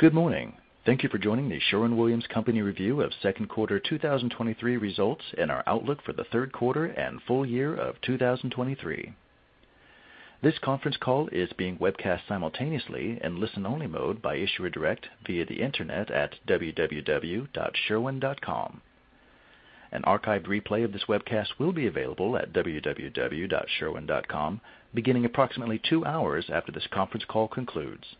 Good morning. Thank you for joining The Sherwin-Williams Company review of second quarter 2023 results and our outlook for the third quarter and full year of 2023. This conference call is being webcast simultaneously in listen-only mode by Issuer Direct via the Internet at www.sherwin.com. An archived replay of this webcast will be available at www.sherwin.com beginning approximately two hours after this conference call concludes.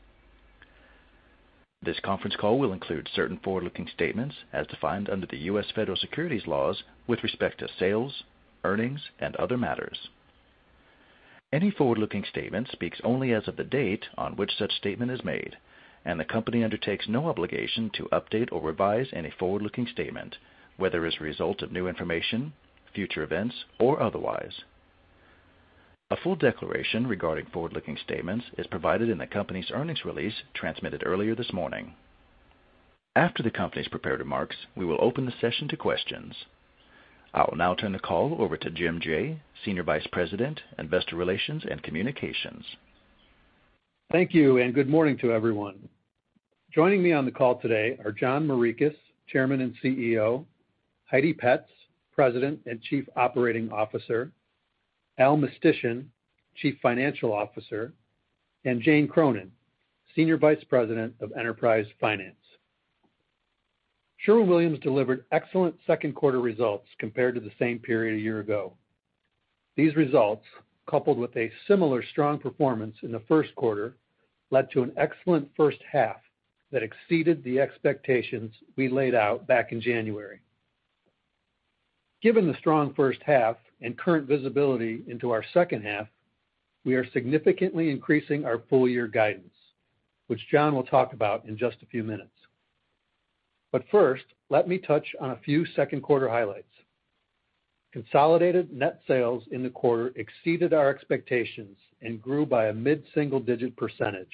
This conference call will include certain forward-looking statements as defined under the U.S. Federal Securities laws with respect to sales, earnings, and other matters. Any forward-looking statement speaks only as of the date on which such statement is made, and the Company undertakes no obligation to update or revise any forward-looking statement, whether as a result of new information, future events, or otherwise. A full declaration regarding forward-looking statements is provided in the company's earnings release transmitted earlier this morning. After the company's prepared remarks, we will open the session to questions. I will now turn the call over to Jim Jaye, Senior Vice President, Investor Relations and Communications. Thank you, and good morning to everyone. Joining me on the call today are John Morikis, Chairman and CEO; Heidi Petz, President and Chief Operating Officer; Al Mistysyn, Chief Financial Officer; and Jane Cronin, Senior Vice President of Enterprise Finance. Sherwin-Williams delivered excellent second quarter results compared to the same period a year ago. These results, coupled with a similar strong performance in the first quarter, led to an excellent first half that exceeded the expectations we laid out back in January. Given the strong first half and current visibility into our second half, we are significantly increasing our full year guidance, which John will talk about in just a few minutes. First, let me touch on a few second quarter highlights. Consolidated net sales in the quarter exceeded our expectations and grew by a mid-single-digit %.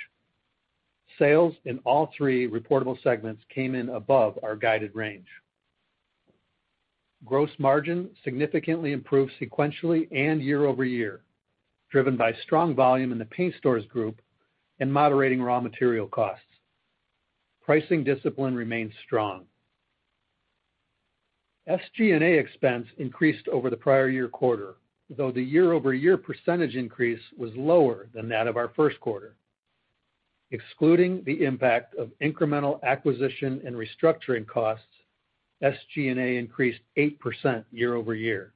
Sales in all 3 reportable segments came in above our guided range. Gross margin significantly improved sequentially and year-over-year, driven by strong volume in the Paint Stores Group and moderating raw material costs. Pricing discipline remains strong. SG&A expense increased over the prior year quarter, though the year-over-year percentage increase was lower than that of our first quarter. Excluding the impact of incremental acquisition and restructuring costs, SG&A increased 8% year-over-year.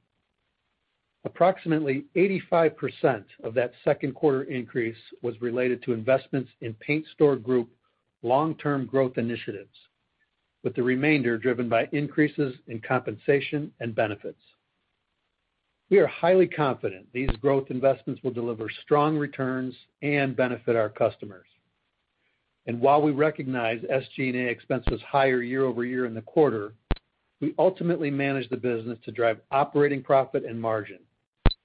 Approximately 85% of that second quarter increase was related to investments in Paint Stores Group long-term growth initiatives, with the remainder driven by increases in compensation and benefits. While we recognize SG&A expense was higher year-over-year in the quarter, we ultimately managed the business to drive operating profit and margin,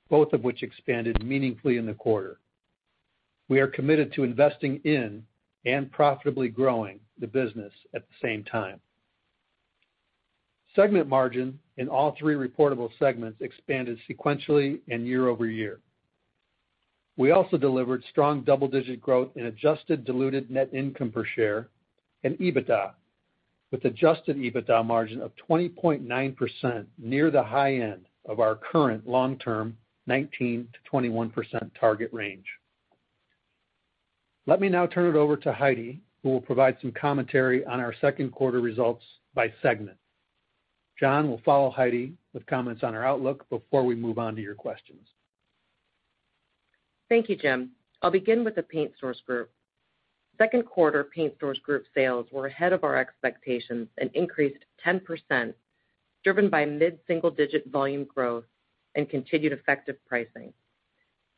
both of which expanded meaningfully in the quarter. We are committed to investing in and profitably growing the business at the same time. Segment margin in all 3 reportable segments expanded sequentially and year-over-year. We also delivered strong double-digit growth in adjusted diluted net income per share and EBITDA, with adjusted EBITDA margin of 20.9%, near the high end of our current long-term 19%-21% target range. Let me now turn it over to Heidi, who will provide some commentary on our second quarter results by segment. John will follow Heidi with comments on our outlook before we move on to your questions. Thank you, Jim. I'll begin with the Paint Stores Group. Second quarter Paint Stores Group sales were ahead of our expectations and increased 10%, driven by mid-single-digit volume growth and continued effective pricing.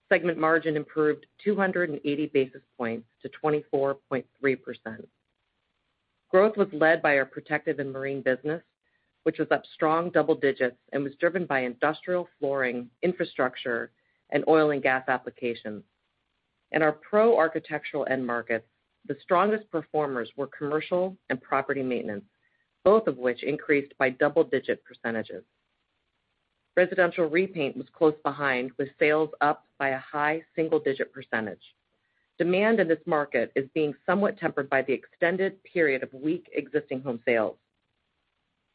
Segment margin improved 280 basis points to 24.3%. Growth was led by our Protective and Marine business, which was up strong double digits and was driven by industrial flooring, infrastructure, and oil and gas applications. In our pro architectural end market, the strongest performers were commercial and property maintenance, both of which increased by double-digit percentages. Residential repaint was close behind, with sales up by a high single-digit percentage. Demand in this market is being somewhat tempered by the extended period of weak existing home sales.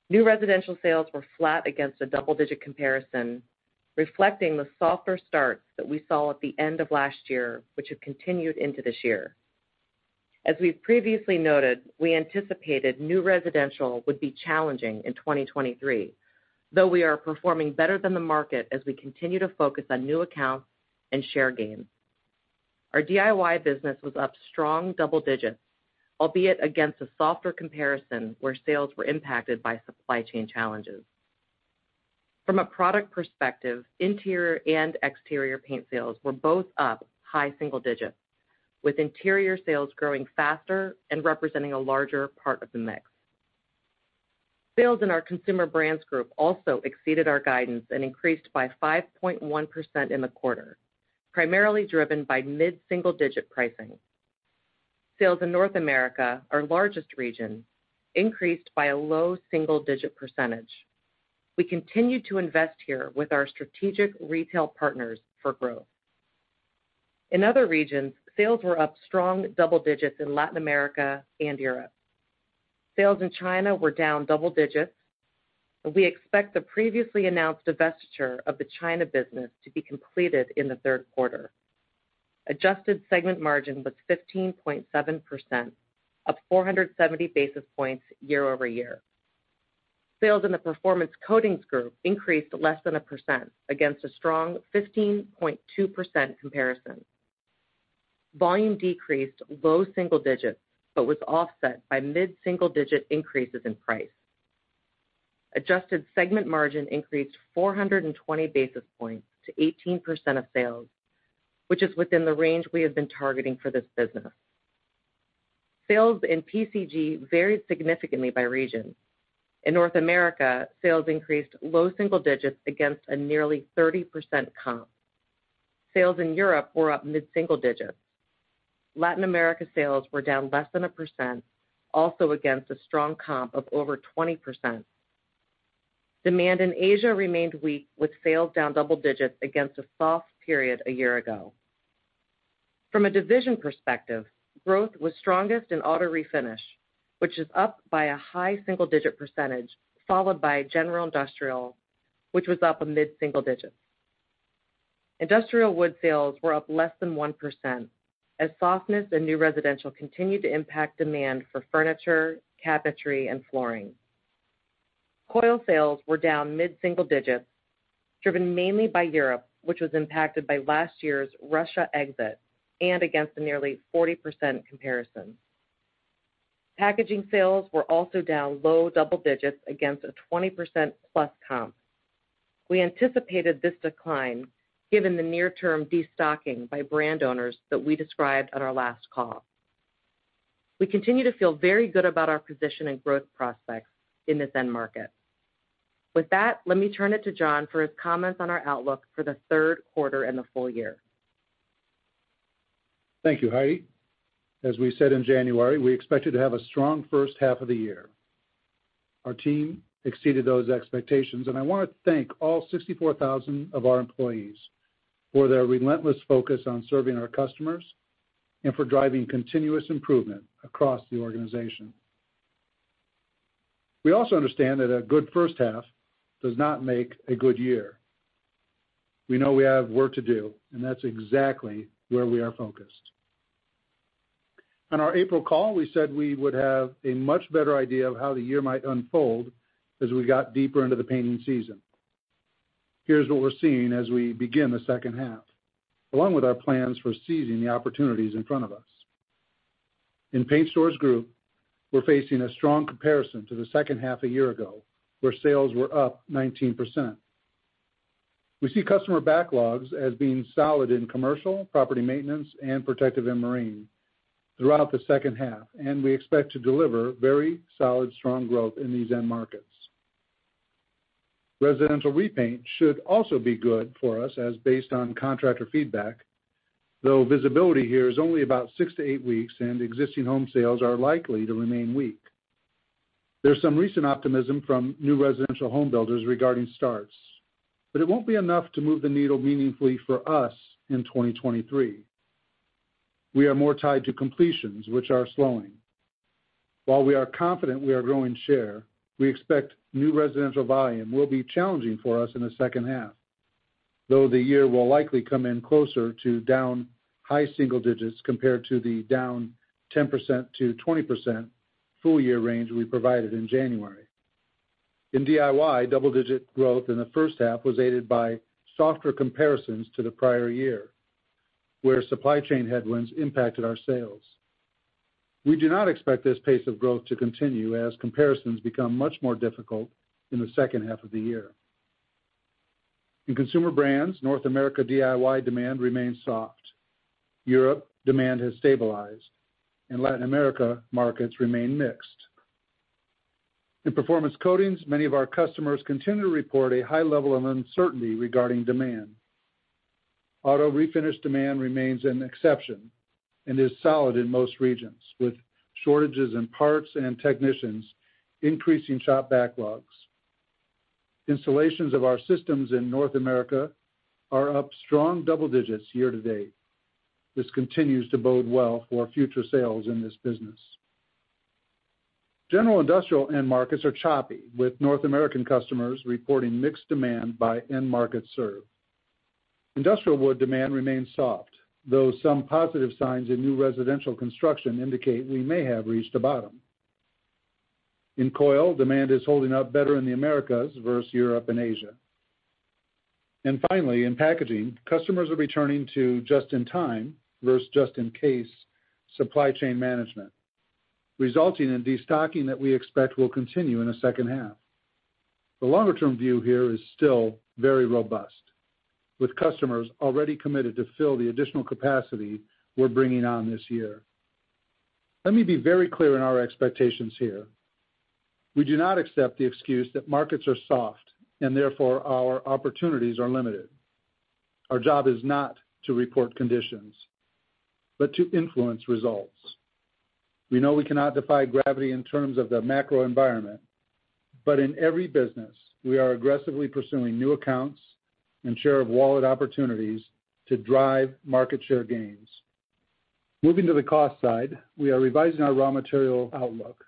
New residential sales were flat against a double-digit comparison, reflecting the softer starts that we saw at the end of last year, which have continued into this year. As we've previously noted, we anticipated new residential would be challenging in 2023, though we are performing better than the market as we continue to focus on new accounts and share gains. Our DIY business was up strong double digits, albeit against a softer comparison, where sales were impacted by supply chain challenges. From a product perspective, interior and exterior paint sales were both up high single digits, with interior sales growing faster and representing a larger part of the mix. Sales in our Consumer Brands Group also exceeded our guidance and increased by 5.1% in the quarter, primarily driven by mid-single digit pricing. Sales in North America, our largest region, increased by a low single-digit percentage.... We continue to invest here with our strategic retail partners for growth. In other regions, sales were up strong double digits in Latin America and Europe. Sales in China were down double digits, and we expect the previously announced divestiture of the China business to be completed in the third quarter. Adjusted segment margin was 15.7%, up 470 basis points year-over-year. Sales in the Performance Coatings Group increased less than a percent against a strong 15.2% comparison. Volume decreased low single digits, but was offset by mid-single-digit increases in price. Adjusted segment margin increased 420 basis points to 18% of sales, which is within the range we have been targeting for this business. Sales in PCG varied significantly by region. In North America, sales increased low single digits against a nearly 30% comp. Sales in Europe were up mid-single digits. Latin America sales were down less than 1%, also against a strong comp of over 20%. Demand in Asia remained weak, with sales down double digits against a soft period a year ago. From a division perspective, growth was strongest in auto refinish, which is up by a high single-digit percentage, followed by general industrial, which was up a mid-single digits. Industrial wood sales were up less than 1%, as softness in new residential continued to impact demand for furniture, cabinetry, and flooring. Coil sales were down mid-single digits, driven mainly by Europe, which was impacted by last year's Russia exit and against a nearly 40% comparison. Packaging sales were also down low double digits against a 20%+ comp. We anticipated this decline given the near-term destocking by brand owners that we described on our last call. We continue to feel very good about our position and growth prospects in this end market. With that, let me turn it to John for his comments on our outlook for the third quarter and the full year. Thank you, Heidi. As we said in January, we expected to have a strong first half of the year. Our team exceeded those expectations, and I want to thank all 64,000 of our employees for their relentless focus on serving our customers and for driving continuous improvement across the organization. We also understand that a good first half does not make a good year. We know we have work to do, and that's exactly where we are focused. On our April call, we said we would have a much better idea of how the year might unfold as we got deeper into the painting season. Here's what we're seeing as we begin the second half, along with our plans for seizing the opportunities in front of us. In Paint Stores Group, we're facing a strong comparison to the second half a year ago, where sales were up 19%. We see customer backlogs as being solid in commercial, property maintenance, and Protective and Marine throughout the second half. We expect to deliver very solid, strong growth in these end markets. Residential repaint should also be good for us as based on contractor feedback, though visibility here is only about 6 to 8 weeks. Existing home sales are likely to remain weak. There's some recent optimism from new residential home builders regarding starts. It won't be enough to move the needle meaningfully for us in 2023. We are more tied to completions, which are slowing. While we are confident we are growing share, we expect new residential volume will be challenging for us in the second half, though the year will likely come in closer to down high single digits compared to the down 10%-20% full-year range we provided in January. In DIY, double-digit growth in the first half was aided by softer comparisons to the prior year, where supply chain headwinds impacted our sales. We do not expect this pace of growth to continue as comparisons become much more difficult in the second half of the year. In Consumer Brands, North America DIY demand remains soft. Europe, demand has stabilized, and Latin America markets remain mixed. In Performance Coatings, many of our customers continue to report a high level of uncertainty regarding demand. Auto refinish demand remains an exception and is solid in most regions, with shortages in parts and technicians increasing shop backlogs. Installations of our systems in North America are up strong double digits year to date. This continues to bode well for future sales in this business. General industrial end markets are choppy, with North American customers reporting mixed demand by end markets served. Industrial wood demand remains soft, though some positive signs in new residential construction indicate we may have reached a bottom. In coil, demand is holding up better in the Americas versus Europe and Asia. Finally, in packaging, customers are returning to just-in-time versus just-in-case supply chain management, resulting in destocking that we expect will continue in the second half. The longer-term view here is still very robust, with customers already committed to fill the additional capacity we're bringing on this year. Let me be very clear in our expectations here. We do not accept the excuse that markets are soft and therefore our opportunities are limited. Our job is not to report conditions, but to influence results. We know we cannot defy gravity in terms of the macro environment, but in every business, we are aggressively pursuing new accounts and share of wallet opportunities to drive market share gains. Moving to the cost side, we are revising our raw material outlook.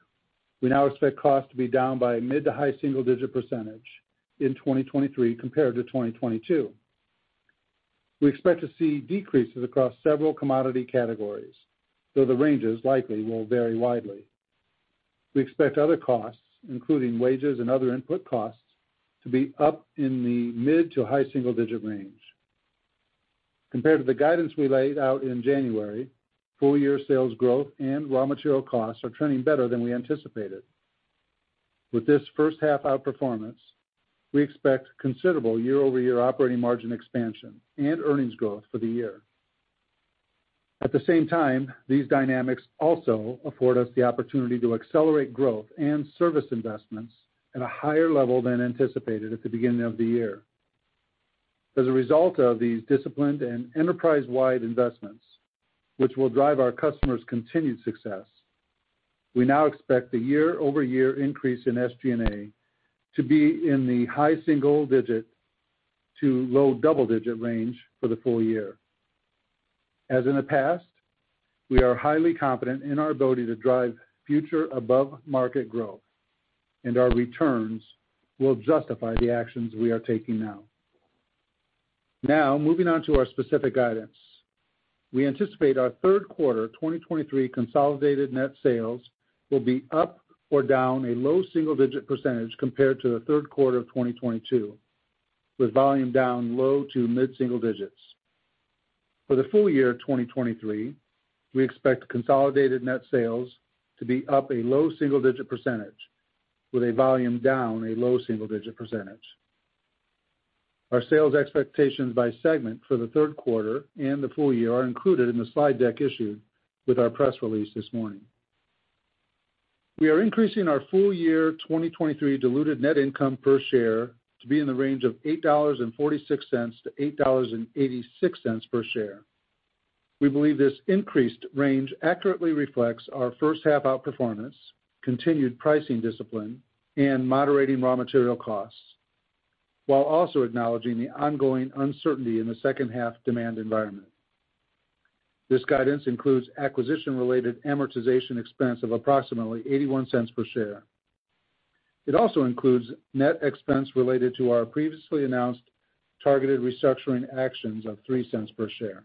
We now expect costs to be down by mid to high single-digit % in 2023 compared to 2022. We expect to see decreases across several commodity categories, though the ranges likely will vary widely. We expect other costs, including wages and other input costs, to be up in the mid to high single-digit range. Compared to the guidance we laid out in January, full year sales growth and raw material costs are trending better than we anticipated. With this first half outperformance, we expect considerable year-over-year operating margin expansion and earnings growth for the year. At the same time, these dynamics also afford us the opportunity to accelerate growth and service investments at a higher level than anticipated at the beginning of the year. As a result of these disciplined and enterprise-wide investments, which will drive our customers' continued success, we now expect the year-over-year increase in SG&A to be in the high single-digit to low double-digit range for the full year. As in the past, we are highly confident in our ability to drive future above-market growth, our returns will justify the actions we are taking now. Moving on to our specific guidance. We anticipate our third quarter 2023 consolidated net sales will be up or down a low single-digit % compared to the third quarter of 2022, with volume down low to mid single-digits. For the full year of 2023, we expect consolidated net sales to be up a low single-digit %, with a volume down a low single-digit %. Our sales expectations by segment for the third quarter and the full year are included in the slide deck issued with our press release this morning. We are increasing our full year 2023 diluted net income per share to be in the range of $8.46-$8.86 per share. We believe this increased range accurately reflects our first half outperformance, continued pricing discipline, and moderating raw material costs, while also acknowledging the ongoing uncertainty in the second half demand environment. This guidance includes acquisition-related amortization expense of approximately $0.81 per share. It also includes net expense related to our previously announced targeted restructuring actions of $0.03 per share.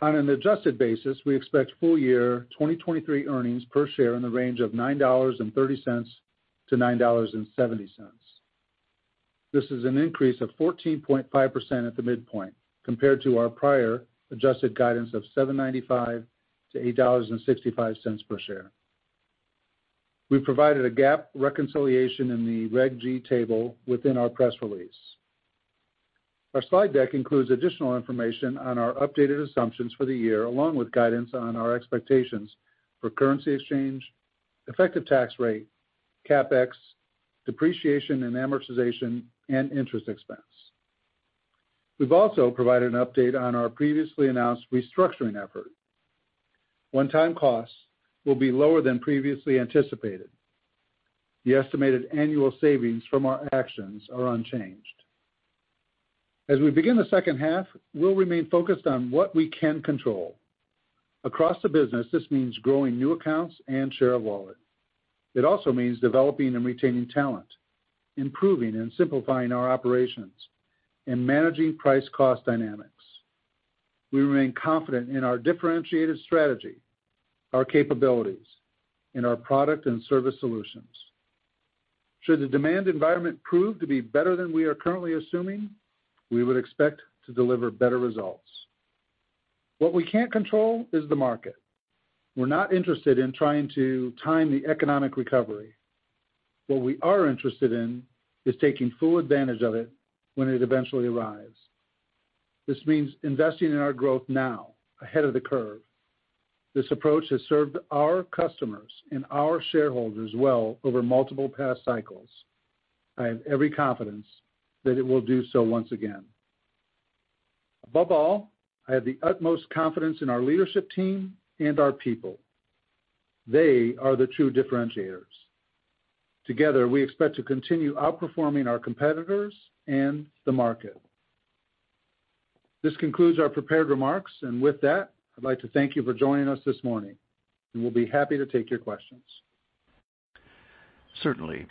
On an adjusted basis, we expect full year 2023 earnings per share in the range of $9.30-$9.70. This is an increase of 14.5% at the midpoint compared to our prior adjusted guidance of $7.95-$8.65 per share. We provided a GAAP reconciliation in the Reg G table within our press release. Our slide deck includes additional information on our updated assumptions for the year, along with guidance on our expectations for currency exchange, effective tax rate, CapEx, depreciation and amortization, and interest expense. We've also provided an update on our previously announced restructuring effort. One-time costs will be lower than previously anticipated. The estimated annual savings from our actions are unchanged. As we begin the second half, we'll remain focused on what we can control. Across the business, this means growing new accounts and share of wallet. It also means developing and retaining talent, improving and simplifying our operations, and managing price cost dynamics. We remain confident in our differentiated strategy, our capabilities, and our product and service solutions. Should the demand environment prove to be better than we are currently assuming, we would expect to deliver better results. What we can't control is the market. We're not interested in trying to time the economic recovery. What we are interested in is taking full advantage of it when it eventually arrives. This means investing in our growth now, ahead of the curve. This approach has served our customers and our shareholders well over multiple past cycles. I have every confidence that it will do so once again. Above all, I have the utmost confidence in our leadership team and our people. They are the true differentiators. Together, we expect to continue outperforming our competitors and the market. This concludes our prepared remarks. With that, I'd like to thank you for joining us this morning. We'll be happy to take your questions. Certainly.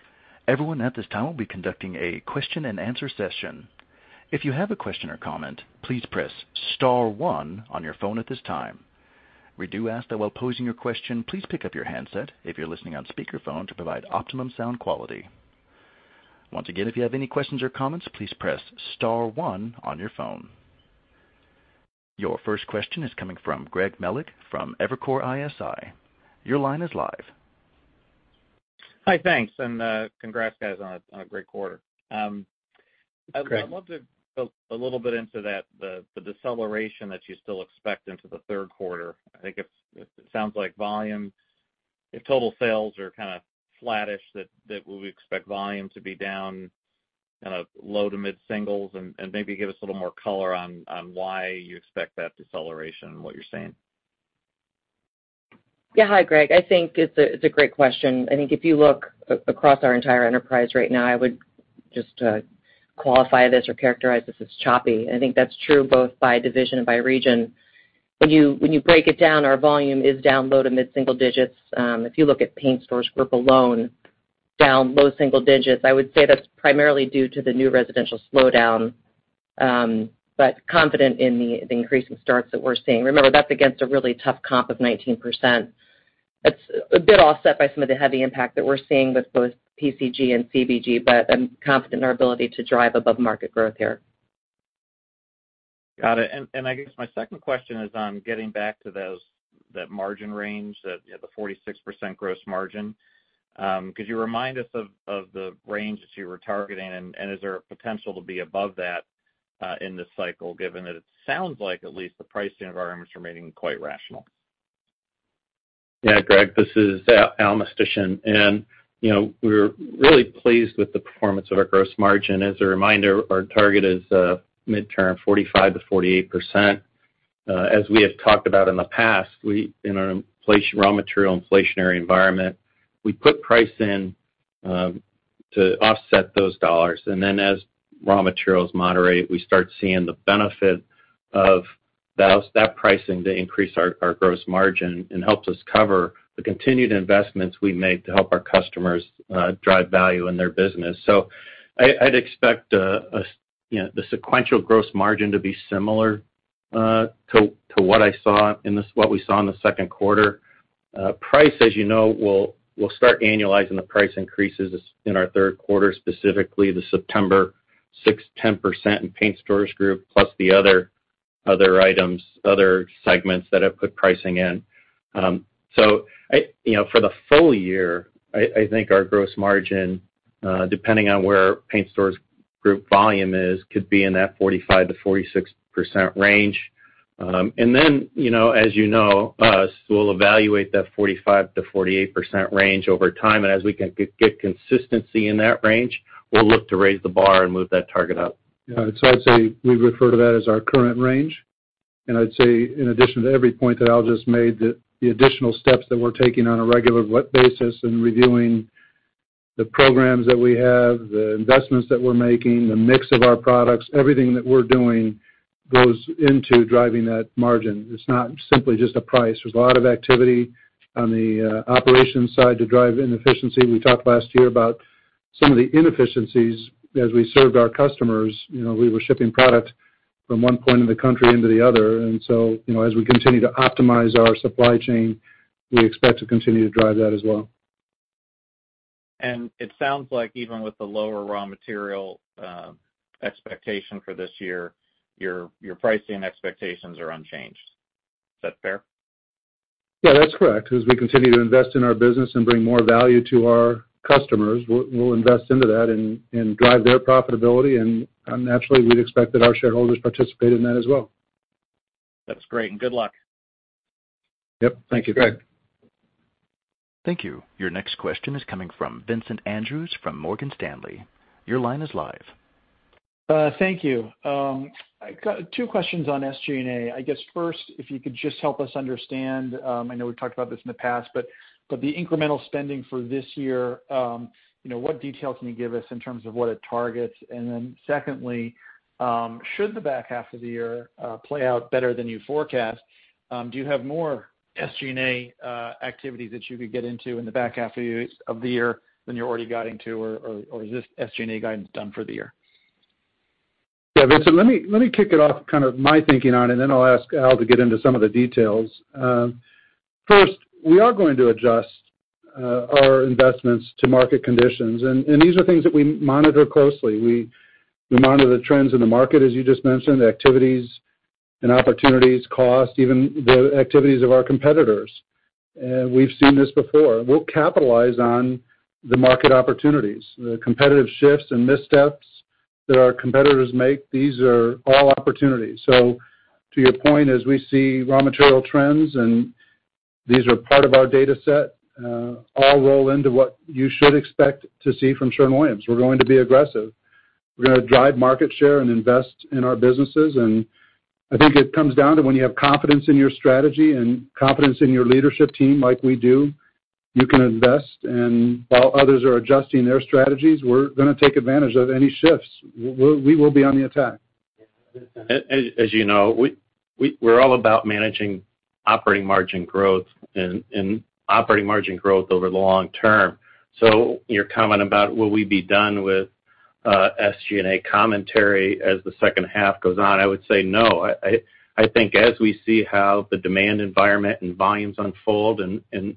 Everyone at this time will be conducting a question-and-answer session. If you have a question or comment, please press star one on your phone at this time. We do ask that while posing your question, please pick up your handset if you're listening on speakerphone to provide optimum sound quality. Once again, if you have any questions or comments, please press star one on your phone. Your first question is coming from Greg Melich from Evercore ISI. Your line is live. Hi, thanks, and congrats, guys, on a great quarter. Greg. I'd love to go a little bit into that, the deceleration that you still expect into the third quarter. I think it sounds like volume if total sales are kind of flattish, that will we expect volume to be down kind of low to mid-singles? Maybe give us a little more color on why you expect that deceleration and what you're seeing? Yeah. Hi, Greg. I think it's a great question. I think if you look across our entire enterprise right now, I would just to qualify this or characterize this as choppy, and I think that's true both by division and by region. When you break it down, our volume is down low to mid-single digits. If you look at Paint Stores Group alone, down low single digits, I would say that's primarily due to the new residential slowdown, but confident in the increase in starts that we're seeing. Remember, that's against a really tough comp of 19%. That's a bit offset by some of the heavy impact that we're seeing with both PCG and CBG, but I'm confident in our ability to drive above-market growth here. Got it. I guess my second question is on getting back to that margin range, that, you know, the 46% gross margin. Could you remind us of the range that you were targeting? Is there a potential to be above that in this cycle, given that it sounds like at least the pricing environment is remaining quite rational? Yeah, Greg, this is Al Mistysyn. You know, we're really pleased with the performance of our gross margin. As a reminder, our target is mid-term 45%-48%. As we have talked about in the past, we, in our inflation, raw material inflationary environment, we put price in to offset those dollars. Then as raw materials moderate, we start seeing the benefit of balance that pricing to increase our gross margin and helps us cover the continued investments we make to help our customers drive value in their business. I'd expect, you know, the sequential gross margin to be similar to what we saw in the second quarter. Price, as you know, we'll start annualizing the price increases in our third quarter, specifically the September 6, 10% in Paint Stores Group, plus the other items, other segments that have put pricing in. You know, for the full year, I think our gross margin, depending on where Paint Stores Group volume is, could be in that 45%-46% range. You know, as you know, we'll evaluate that 45%-48% range over time, and as we can get consistency in that range, we'll look to raise the bar and move that target up. Yeah. I'd say we refer to that as our current range. I'd say, in addition to every point that Al just made, that the additional steps that we're taking on a regular basis and reviewing the programs that we have, the investments that we're making, the mix of our products, everything that we're doing goes into driving that margin. It's not simply just a price. There's a lot of activity on the operations side to drive inefficiency. We talked last year about some of the inefficiencies as we served our customers. You know, we were shipping product from one point in the country into the other. You know, as we continue to optimize our supply chain, we expect to continue to drive that as well. It sounds like even with the lower raw material expectation for this year, your pricing expectations are unchanged. Is that fair? Yeah, that's correct. As we continue to invest in our business and bring more value to our customers, we'll invest into that and drive their profitability. Naturally, we'd expect that our shareholders participate in that as well. That's great, and good luck. Yep. Thank you, Greg. Thank you. Your next question is coming from Vincent Andrews from Morgan Stanley. Your line is live. Thank you. I've got two questions on SG&A. I guess first, if you could just help us understand, I know we've talked about this in the past, but the incremental spending for this year, you know, what details can you give us in terms of what it targets? Secondly, should the back half of the year play out better than you forecast, do you have more SG&A activities that you could get into in the back half of the year than you're already guiding to, or is this SG&A guidance done for the year? Yeah, Vincent, let me kick it off, kind of my thinking on it, and then I'll ask Al to get into some of the details. First, we are going to adjust our investments to market conditions, and these are things that we monitor closely. We monitor the trends in the market, as you just mentioned, the activities and opportunities, costs, even the activities of our competitors. We've seen this before. We'll capitalize on the market opportunities, the competitive shifts and missteps that our competitors make, these are all opportunities. To your point, as we see raw material trends, and these are part of our dataset, all roll into what you should expect to see from Sherwin-Williams. We're going to be aggressive. We're gonna drive market share and invest in our businesses. I think it comes down to when you have confidence in your strategy and confidence in your leadership team, like we do, you can invest. While others are adjusting their strategies, we're gonna take advantage of any shifts. We will be on the attack. As you know, we're all about managing operating margin growth and operating margin growth over the long term. Your comment about will we be done with SG&A commentary as the second half goes on, I would say no. I think as we see how the demand environment and volumes unfold and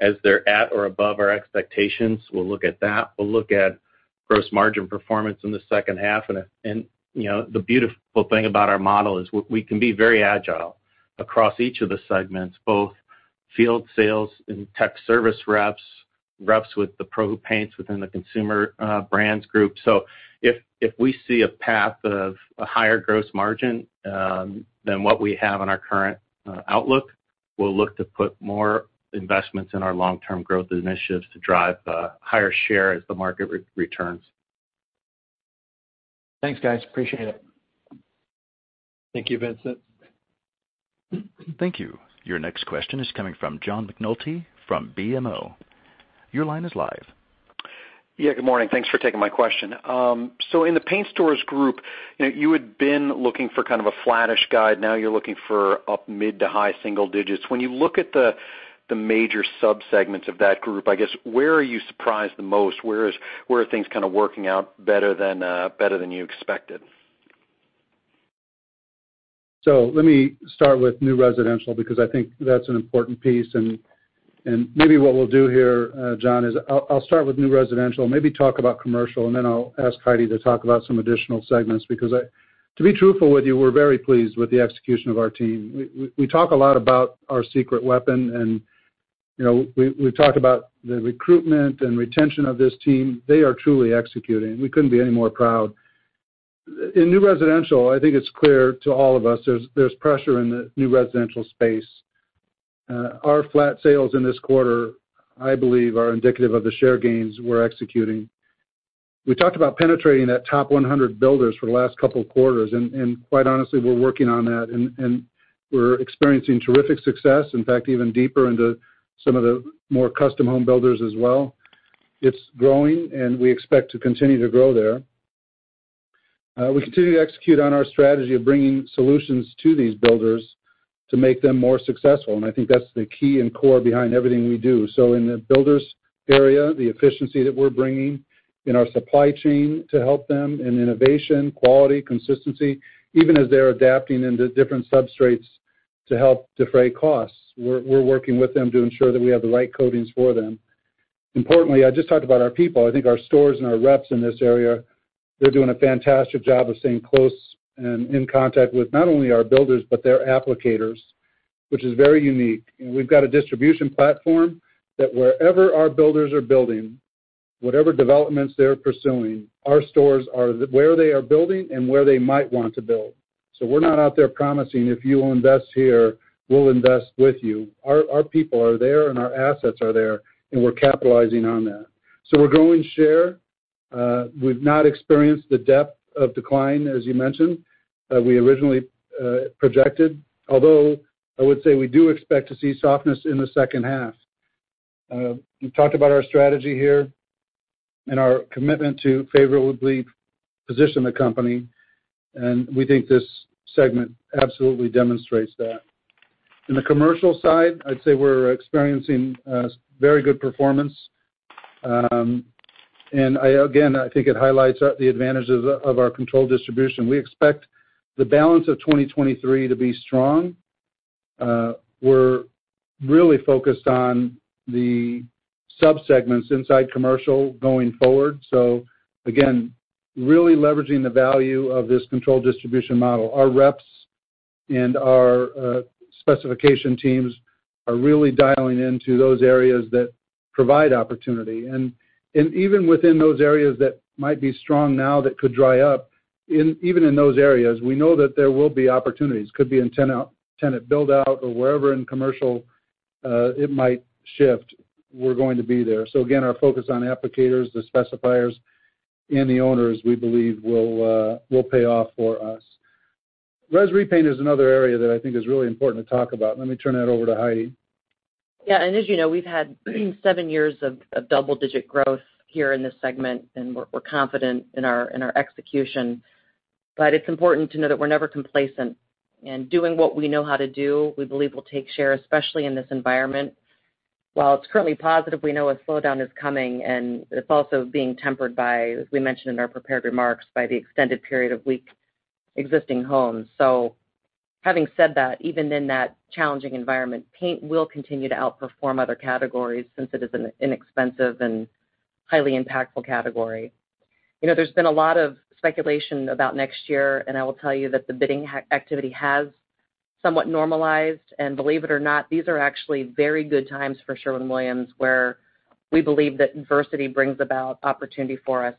as they're at or above our expectations, we'll look at that. We'll look at gross margin performance in the second half. You know, the beautiful thing about our model is we can be very agile across each of the segments, both field sales and tech service reps,... reps with the pro paints within the Consumer Brands Group. If we see a path of a higher gross margin than what we have in our current outlook, we'll look to put more investments in our long-term growth initiatives to drive higher share as the market returns. Thanks, guys. Appreciate it. Thank you, Vincent. Thank you. Your next question is coming from John McNulty from BMO. Your line is live. Yeah, good morning. Thanks for taking my question. In the Paint Stores Group, you know, you had been looking for kind of a flattish guide, now you're looking for up mid to high single digits. When you look at the major subsegments of that group, I guess, where are you surprised the most? Where are things kind of working out better than better than you expected? Let me start with new residential, because I think that's an important piece. Maybe what we'll do here, John, is I'll start with new residential, maybe talk about commercial, and then I'll ask Heidi to talk about some additional segments, because to be truthful with you, we're very pleased with the execution of our team. We talk a lot about our secret weapon, and, you know, we talk about the recruitment and retention of this team. They are truly executing. We couldn't be any more proud. In new residential, I think it's clear to all of us, there's pressure in the new residential space. Our flat sales in this quarter, I believe, are indicative of the share gains we're executing. We talked about penetrating that top 100 builders for the last couple of quarters, and quite honestly, we're working on that, and we're experiencing terrific success. In fact, even deeper into some of the more custom home builders as well. It's growing, and we expect to continue to grow there. We continue to execute on our strategy of bringing solutions to these builders to make them more successful, and I think that's the key and core behind everything we do. In the builders area, the efficiency that we're bringing in our supply chain to help them in innovation, quality, consistency, even as they're adapting into different substrates to help defray costs, we're working with them to ensure that we have the right coatings for them. Importantly, I just talked about our people. I think our stores and our reps in this area, they're doing a fantastic job of staying close and in contact with not only our builders, but their applicators, which is very unique. We've got a distribution platform that wherever our builders are building, whatever developments they're pursuing, our stores are where they are building and where they might want to build. We're not out there promising if you invest here, we'll invest with you. Our people are there and our assets are there, and we're capitalizing on that. We're growing share. We've not experienced the depth of decline, as you mentioned, we originally projected, although I would say we do expect to see softness in the second half. We've talked about our strategy here and our commitment to favorably position the company, and we think this segment absolutely demonstrates that. In the commercial side, I'd say we're experiencing very good performance. Again, I think it highlights the advantages of our controlled distribution. We expect the balance of 2023 to be strong. We're really focused on the subsegments inside commercial going forward. Again, really leveraging the value of this controlled distribution model. Our reps and our specification teams are really dialing into those areas that provide opportunity. Even within those areas that might be strong now that could dry up, even in those areas, we know that there will be opportunities. Could be in tenant build out or wherever in commercial, it might shift, we're going to be there. Again, our focus on applicators, the specifiers, and the owners, we believe will pay off for us. Res repaint is another area that I think is really important to talk about. Let me turn that over to Heidi. As you know, we've had 7 years of double-digit growth here in this segment, and we're confident in our execution. It's important to know that we're never complacent, and doing what we know how to do, we believe will take share, especially in this environment. While it's currently positive, we know a slowdown is coming, and it's also being tempered by, as we mentioned in our prepared remarks, by the extended period of weak existing homes. Having said that, even in that challenging environment, paint will continue to outperform other categories since it is an inexpensive and highly impactful category. You know, there's been a lot of speculation about next year, and I will tell you that the bidding activity has somewhat normalized, and believe it or not, these are actually very good times for Sherwin-Williams, where we believe that adversity brings about opportunity for us.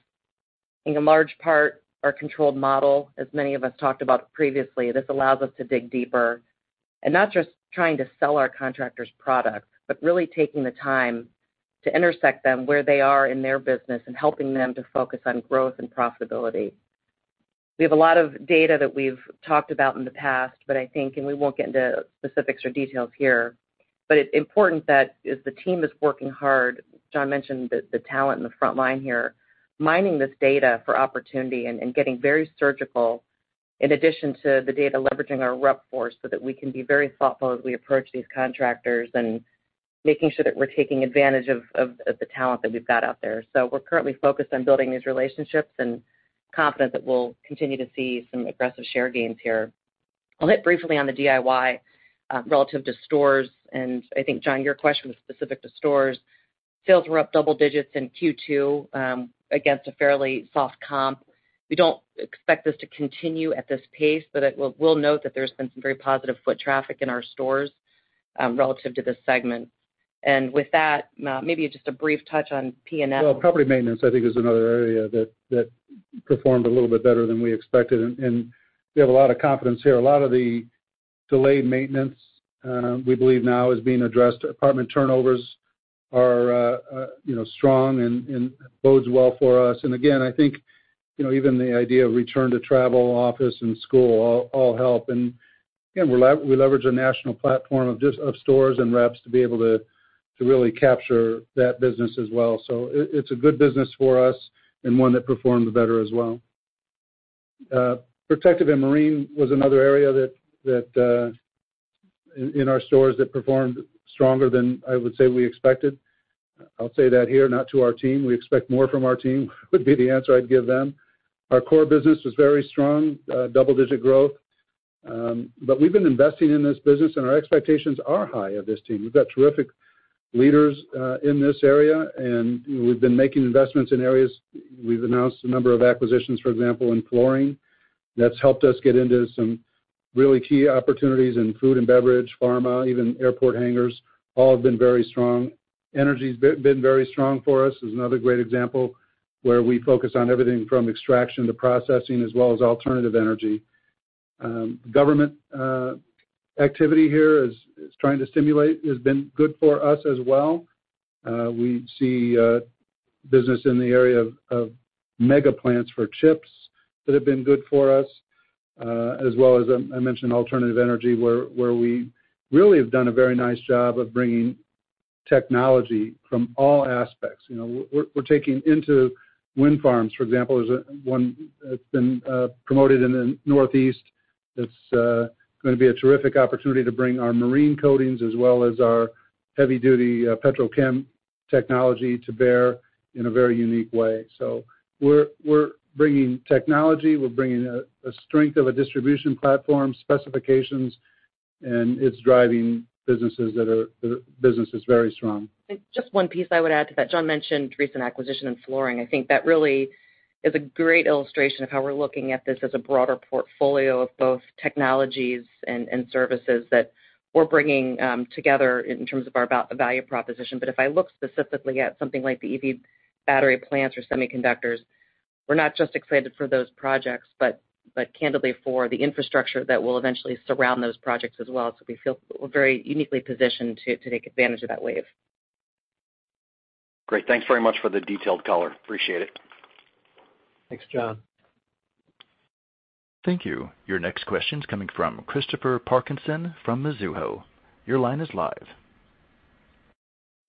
In a large part, our controlled model, as many of us talked about previously, this allows us to dig deeper, and not just trying to sell our contractors products, but really taking the time to intersect them where they are in their business and helping them to focus on growth and profitability. We have a lot of data that we've talked about in the past, but I think, and we won't get into specifics or details here, but it's important that as the team is working hard, John mentioned the talent in the front line here, mining this data for opportunity and getting very surgical in addition to the data, leveraging our rep force so that we can be very thoughtful as we approach these contractors and making sure that we're taking advantage of the talent that we've got out there. We're currently focused on building these relationships and confident that we'll continue to see some aggressive share gains here. I'll hit briefly on the DIY relative to stores, and I think, John, your question was specific to stores. Sales were up double digits in Q2 against a fairly soft comp. We don't expect this to continue at this pace, but we'll note that there's been some very positive foot traffic in our stores, relative to this segment. With that, maybe just a brief touch on P&M. Well, property maintenance, I think, is another area that performed a little bit better than we expected, and we have a lot of confidence here. A lot of the delayed maintenance, we believe now is being addressed. Apartment turnovers are, you know, strong and bodes well for us. Again, I think, you know, even the idea of return to travel, office, and school all help. Again, we leverage a national platform of stores and reps to be able to really capture that business as well. It's a good business for us and one that performed better as well. Protective & Marine was another area that in our stores that performed stronger than I would say we expected. I'll say that here, not to our team. We expect more from our team, would be the answer I'd give them. Our core business was very strong, double-digit growth. We've been investing in this business, and our expectations are high of this team. We've got terrific leaders in this area, and we've been making investments in areas. We've announced a number of acquisitions, for example, in flooring. That's helped us get into some really key opportunities in food and beverage, pharma, even airport hangars, all have been very strong. Energy's been very strong for us, is another great example, where we focus on everything from extraction to processing as well as alternative energy. Government activity here is trying to stimulate, has been good for us as well. We see business in the area of mega plants for chips that have been good for us, as well as, I mentioned alternative energy, where we really have done a very nice job of bringing technology from all aspects. You know, we're taking into wind farms, for example, there's one that's been promoted in the Northeast that's going to be a terrific opportunity to bring our marine coatings as well as our heavy-duty petrochem technology to bear in a very unique way. We're bringing technology, we're bringing a strength of a distribution platform, specifications, and it's driving businesses that are very strong. Just one piece I would add to that. John mentioned recent acquisition in flooring. I think that really is a great illustration of how we're looking at this as a broader portfolio of both technologies and services that we're bringing together in terms of our value proposition. If I look specifically at something like the EV battery plants or semiconductors, we're not just excited for those projects, but candidly for the infrastructure that will eventually surround those projects as well. We feel we're very uniquely positioned to take advantage of that wave. Great. Thanks very much for the detailed color. Appreciate it. Thanks, John. Thank you. Your next question's coming from Christopher Parkinson from Mizuho. Your line is live.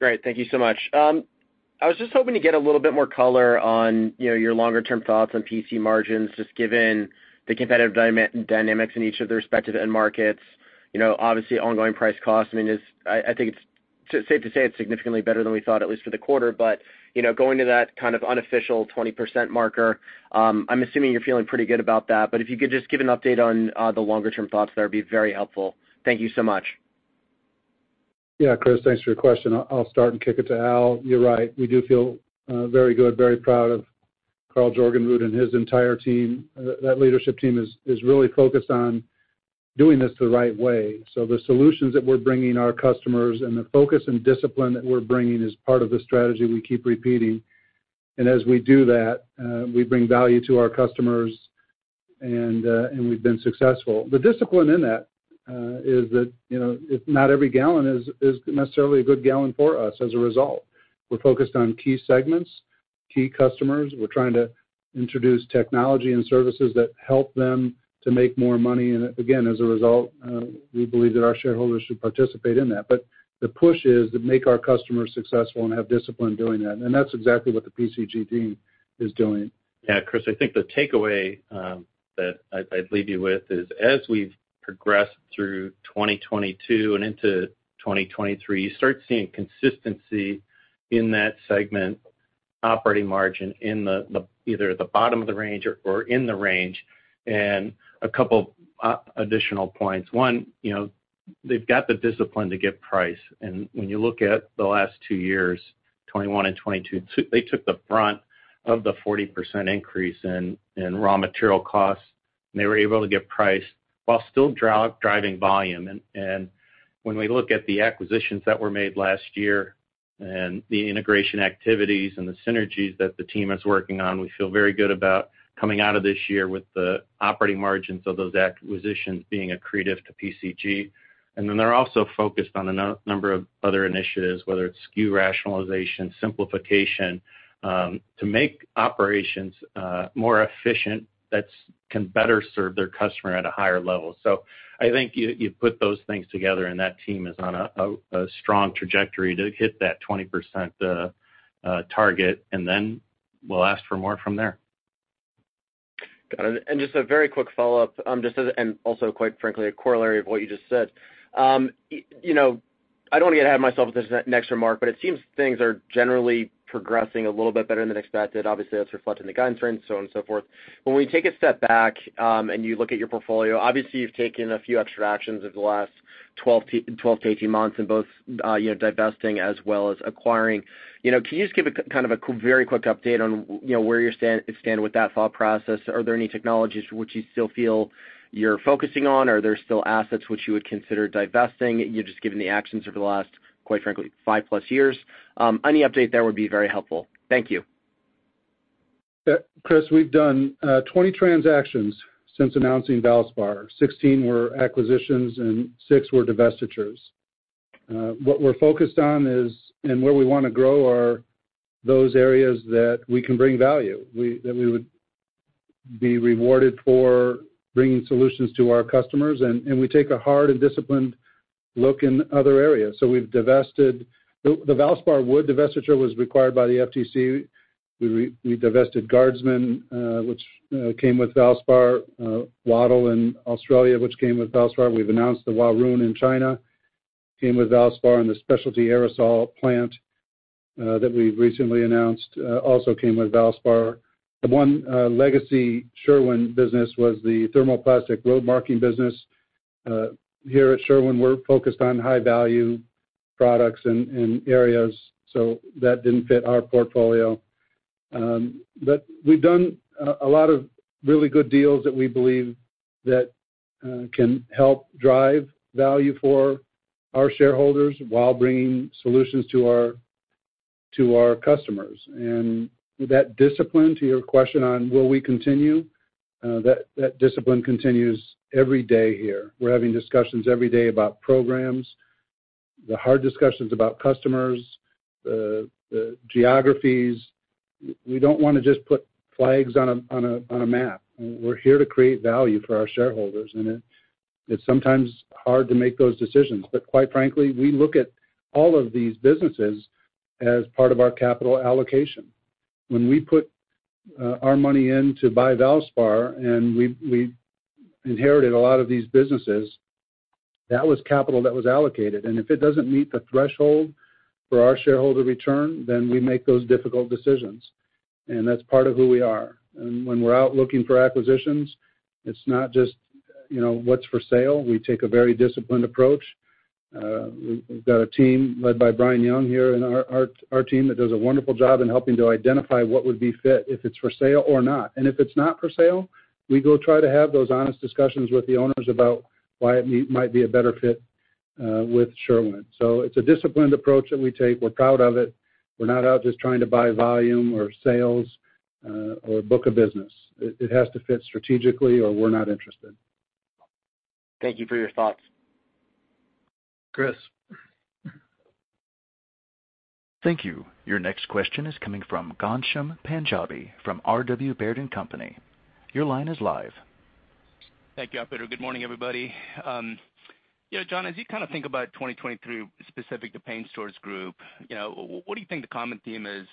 Great. Thank you so much. I was just hoping to get a little bit more color on, you know, your longer-term thoughts on PCG margins, just given the competitive dynamics in each of the respective end markets. You know, obviously, ongoing price costs, I mean, I think it's safe to say it's significantly better than we thought, at least for the quarter. You know, going to that kind of unofficial 20% marker, I'm assuming you're feeling pretty good about that. If you could just give an update on the longer-term thoughts there, it'd be very helpful. Thank you so much. Yeah, Chris, thanks for your question. I'll start and kick it to Al. You're right, we do feel very good, very proud of Karl Jorgenrud and his entire team. That leadership team is really focused on doing this the right way. The solutions that we're bringing our customers and the focus and discipline that we're bringing is part of the strategy we keep repeating. As we do that, we bring value to our customers, and we've been successful. The discipline in that is that, you know, if not every gallon is necessarily a good gallon for us as a result. We're focused on key segments, key customers. We're trying to introduce technology and services that help them to make more money. Again, as a result, we believe that our shareholders should participate in that. The push is to make our customers successful and have discipline doing that, and that's exactly what the PCG team is doing. Yeah, Chris, I think the takeaway that I'd leave you with is, as we've progressed through 2022 and into 2023, you start seeing consistency in that segment operating margin in the either at the bottom of the range or in the range. A couple additional points. One, you know, they've got the discipline to get price. When you look at the last 2 years, 2021 and 2022, they took the brunt of the 40% increase in raw material costs, and they were able to get price while still driving volume. When we look at the acquisitions that were made last year and the integration activities and the synergies that the team is working on, we feel very good about coming out of this year with the operating margins of those acquisitions being accretive to PCG. They're also focused on number of other initiatives, whether it's SKU rationalization, simplification, to make operations more efficient, can better serve their customer at a higher level. I think you put those things together, that team is on a strong trajectory to hit that 20% target, we'll ask for more from there. Got it. Just a very quick follow-up, just as, and also, quite frankly, a corollary of what you just said. You know, I don't want to get ahead of myself with this next remark, it seems things are generally progressing a little bit better than expected. Obviously, that's reflected in the guidance range, so on and so forth. When you take a step back, and you look at your portfolio, obviously, you've taken a few extra actions over the last twelve to eighteen months in both, divesting as well as acquiring. You know, can you just give a kind of a very quick update on, you know, where you're standing with that thought process? Are there any technologies which you still feel you're focusing on? Are there still assets which you would consider divesting? You've just given the actions over the last, quite frankly, 5+ years. Any update there would be very helpful. Thank you. Chris, we've done 20 transactions since announcing Valspar. 16 were acquisitions and 6 were divestitures. What we're focused on is, and where we wanna grow, are those areas that we can bring value, that we would be rewarded for bringing solutions to our customers, and we take a hard and disciplined look in other areas. We've divested. The Valspar Wood divestiture was required by the FTC. We divested Guardsman, which came with Valspar, Wattyl in Australia, which came with Valspar. We've announced the Huarun in China, came with Valspar, and the specialty aerosol plant that we recently announced, also came with Valspar. The one legacy Sherwin-Williams business was the thermoplastic road marking business. Here at Sherwin-Williams, we're focused on high-value products and areas, so that didn't fit our portfolio. We've done a lot of really good deals that we believe that can help drive value for our shareholders while bringing solutions to our customers. That discipline, to your question on will we continue that discipline continues every day here. We're having discussions every day about programs, the hard discussions about customers, the geographies. We don't wanna just put flags on a map. We're here to create value for our shareholders, and it's sometimes hard to make those decisions. Quite frankly, we look at all of these businesses as part of our capital allocation. When we put our money in to buy Valspar, and we inherited a lot of these businesses, that was capital that was allocated, and if it doesn't meet the threshold for our shareholder return, then we make those difficult decisions, and that's part of who we are. When we're out looking for acquisitions, it's not just, you know, what's for sale. We take a very disciplined approach. We've got a team led by Bryan Young here in our team that does a wonderful job in helping to identify what would be fit, if it's for sale or not. If it's not for sale, we go try to have those honest discussions with the owners about why it might be a better fit with Sherwin-Williams. It's a disciplined approach that we take. We're proud of it. We're not out just trying to buy volume or sales, or book of business. It has to fit strategically, or we're not interested. Thank you for your thoughts. Chris. Thank you. Your next question is coming from Ghansham Panjabi from R.W. Baird & Company. Your line is live. Thank you, operator. Good morning, everybody. you know, John, as you kind of think about 2023, specific to Paint Stores Group, you know, what do you think the common theme is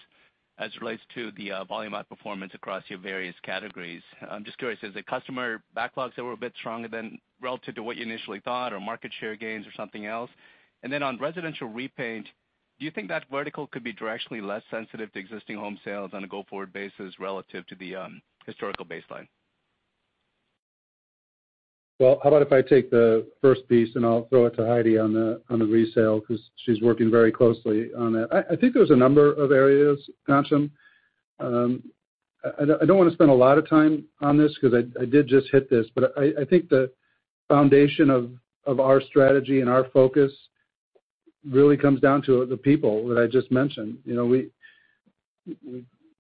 as it relates to the volume outperformance across your various categories? I'm just curious, is it customer backlogs that were a bit stronger than relative to what you initially thought, or market share gains or something else? Then on residential repaint, do you think that vertical could be directionally less sensitive to existing home sales on a go-forward basis relative to the historical baseline? Well, how about if I take the first piece, and I'll throw it to Heidi on the, on the resale, because she's working very closely on that. I think there's a number of areas, Ghansham. I don't wanna spend a lot of time on this because I did just hit this, but I think the foundation of our strategy and our focus really comes down to the people that I just mentioned. You know, we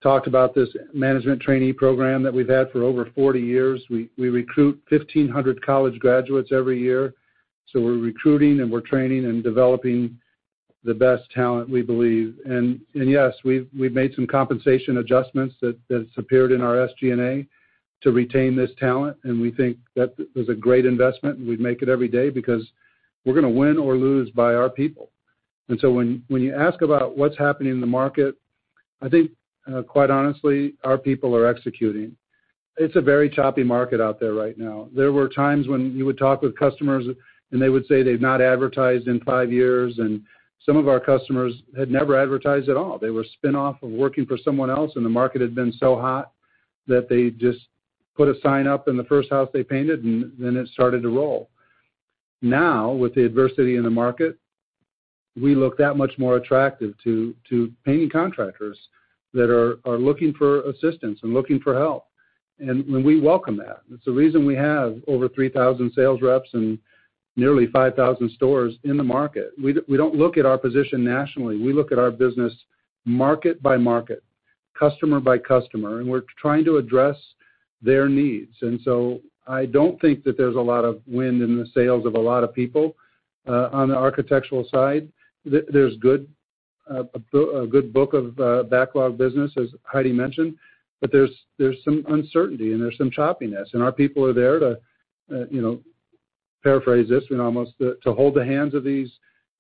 talked about this management trainee program that we've had for over 40 years. We, we recruit 1,500 college graduates every year, so we're recruiting, and we're training and developing the best talent, we believe. Yes, we've made some compensation adjustments that's appeared in our SG&A to retain this talent, and we think that is a great investment, and we make it every day because we're gonna win or lose by our people. When you ask about what's happening in the market, I think, quite honestly, our people are executing. It's a very choppy market out there right now. There were times when you would talk with customers, and they would say they've not advertised in 5 years, and some of our customers had never advertised at all. They were spin-off of working for someone else, and the market had been so hot that they just put a sign up in the first house they painted, and then it started to roll. Now, with the adversity in the market, we look that much more attractive to painting contractors that are looking for assistance and looking for help. We welcome that. It's the reason we have over 3,000 sales reps and nearly 5,000 stores in the market. We don't look at our position nationally. We look at our business market by market, customer by customer, and we're trying to address their needs. I don't think that there's a lot of wind in the sails of a lot of people on the architectural side. There's good, a good book of backlog business, as Heidi mentioned, but there's some uncertainty, and there's some choppiness. Our people are there to, you know, paraphrase this, you know, almost to hold the hands of these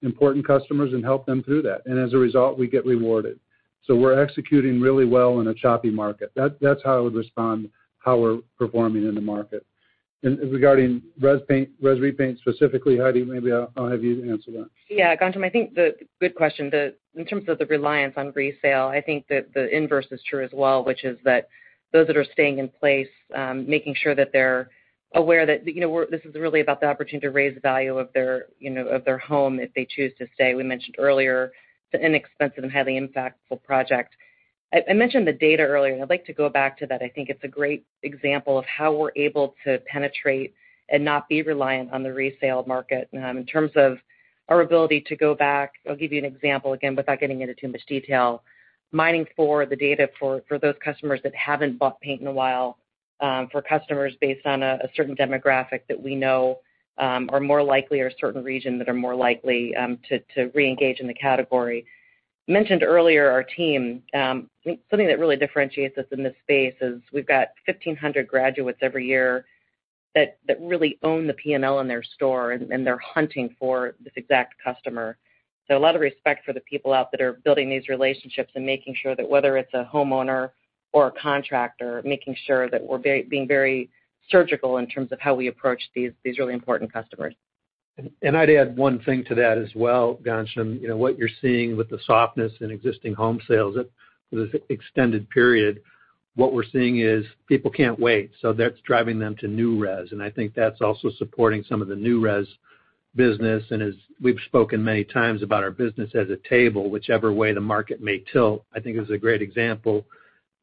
important customers and help them through that. As a result, we get rewarded. We're executing really well in a choppy market. That's how I would respond, how we're performing in the market. Regarding res repaint specifically, Heidi, maybe I'll have you answer that. Yeah, Ghansham, I think the good question. In terms of the reliance on resale, I think that the inverse is true as well, which is that those that are staying in place, making sure that they're aware that, you know, this is really about the opportunity to raise the value of their, you know, of their home if they choose to stay. We mentioned earlier, it's an inexpensive and highly impactful project. I mentioned the data earlier. I'd like to go back to that. I think it's a great example of how we're able to penetrate and not be reliant on the resale market. In terms of our ability to go back, I'll give you an example, again, without getting into too much detail. Mining for the data for those customers that haven't bought paint in a while, for customers based on a certain demographic that we know are more likely, or a certain region that are more likely to reengage in the category. Mentioned earlier, our team, something that really differentiates us in this space is we've got 1,500 graduates every year that really own the PNL in their store, and they're hunting for this exact customer. A lot of respect for the people out that are building these relationships and making sure that whether it's a homeowner or a contractor, making sure that we're being very surgical in terms of how we approach these really important customers. I'd add one thing to that as well, Ghansham. You know, what you're seeing with the softness in existing home sales at this extended period, what we're seeing is people can't wait, so that's driving them to new res, and I think that's also supporting some of the new res business. As we've spoken many times about our business as a table, whichever way the market may tilt, I think it's a great example,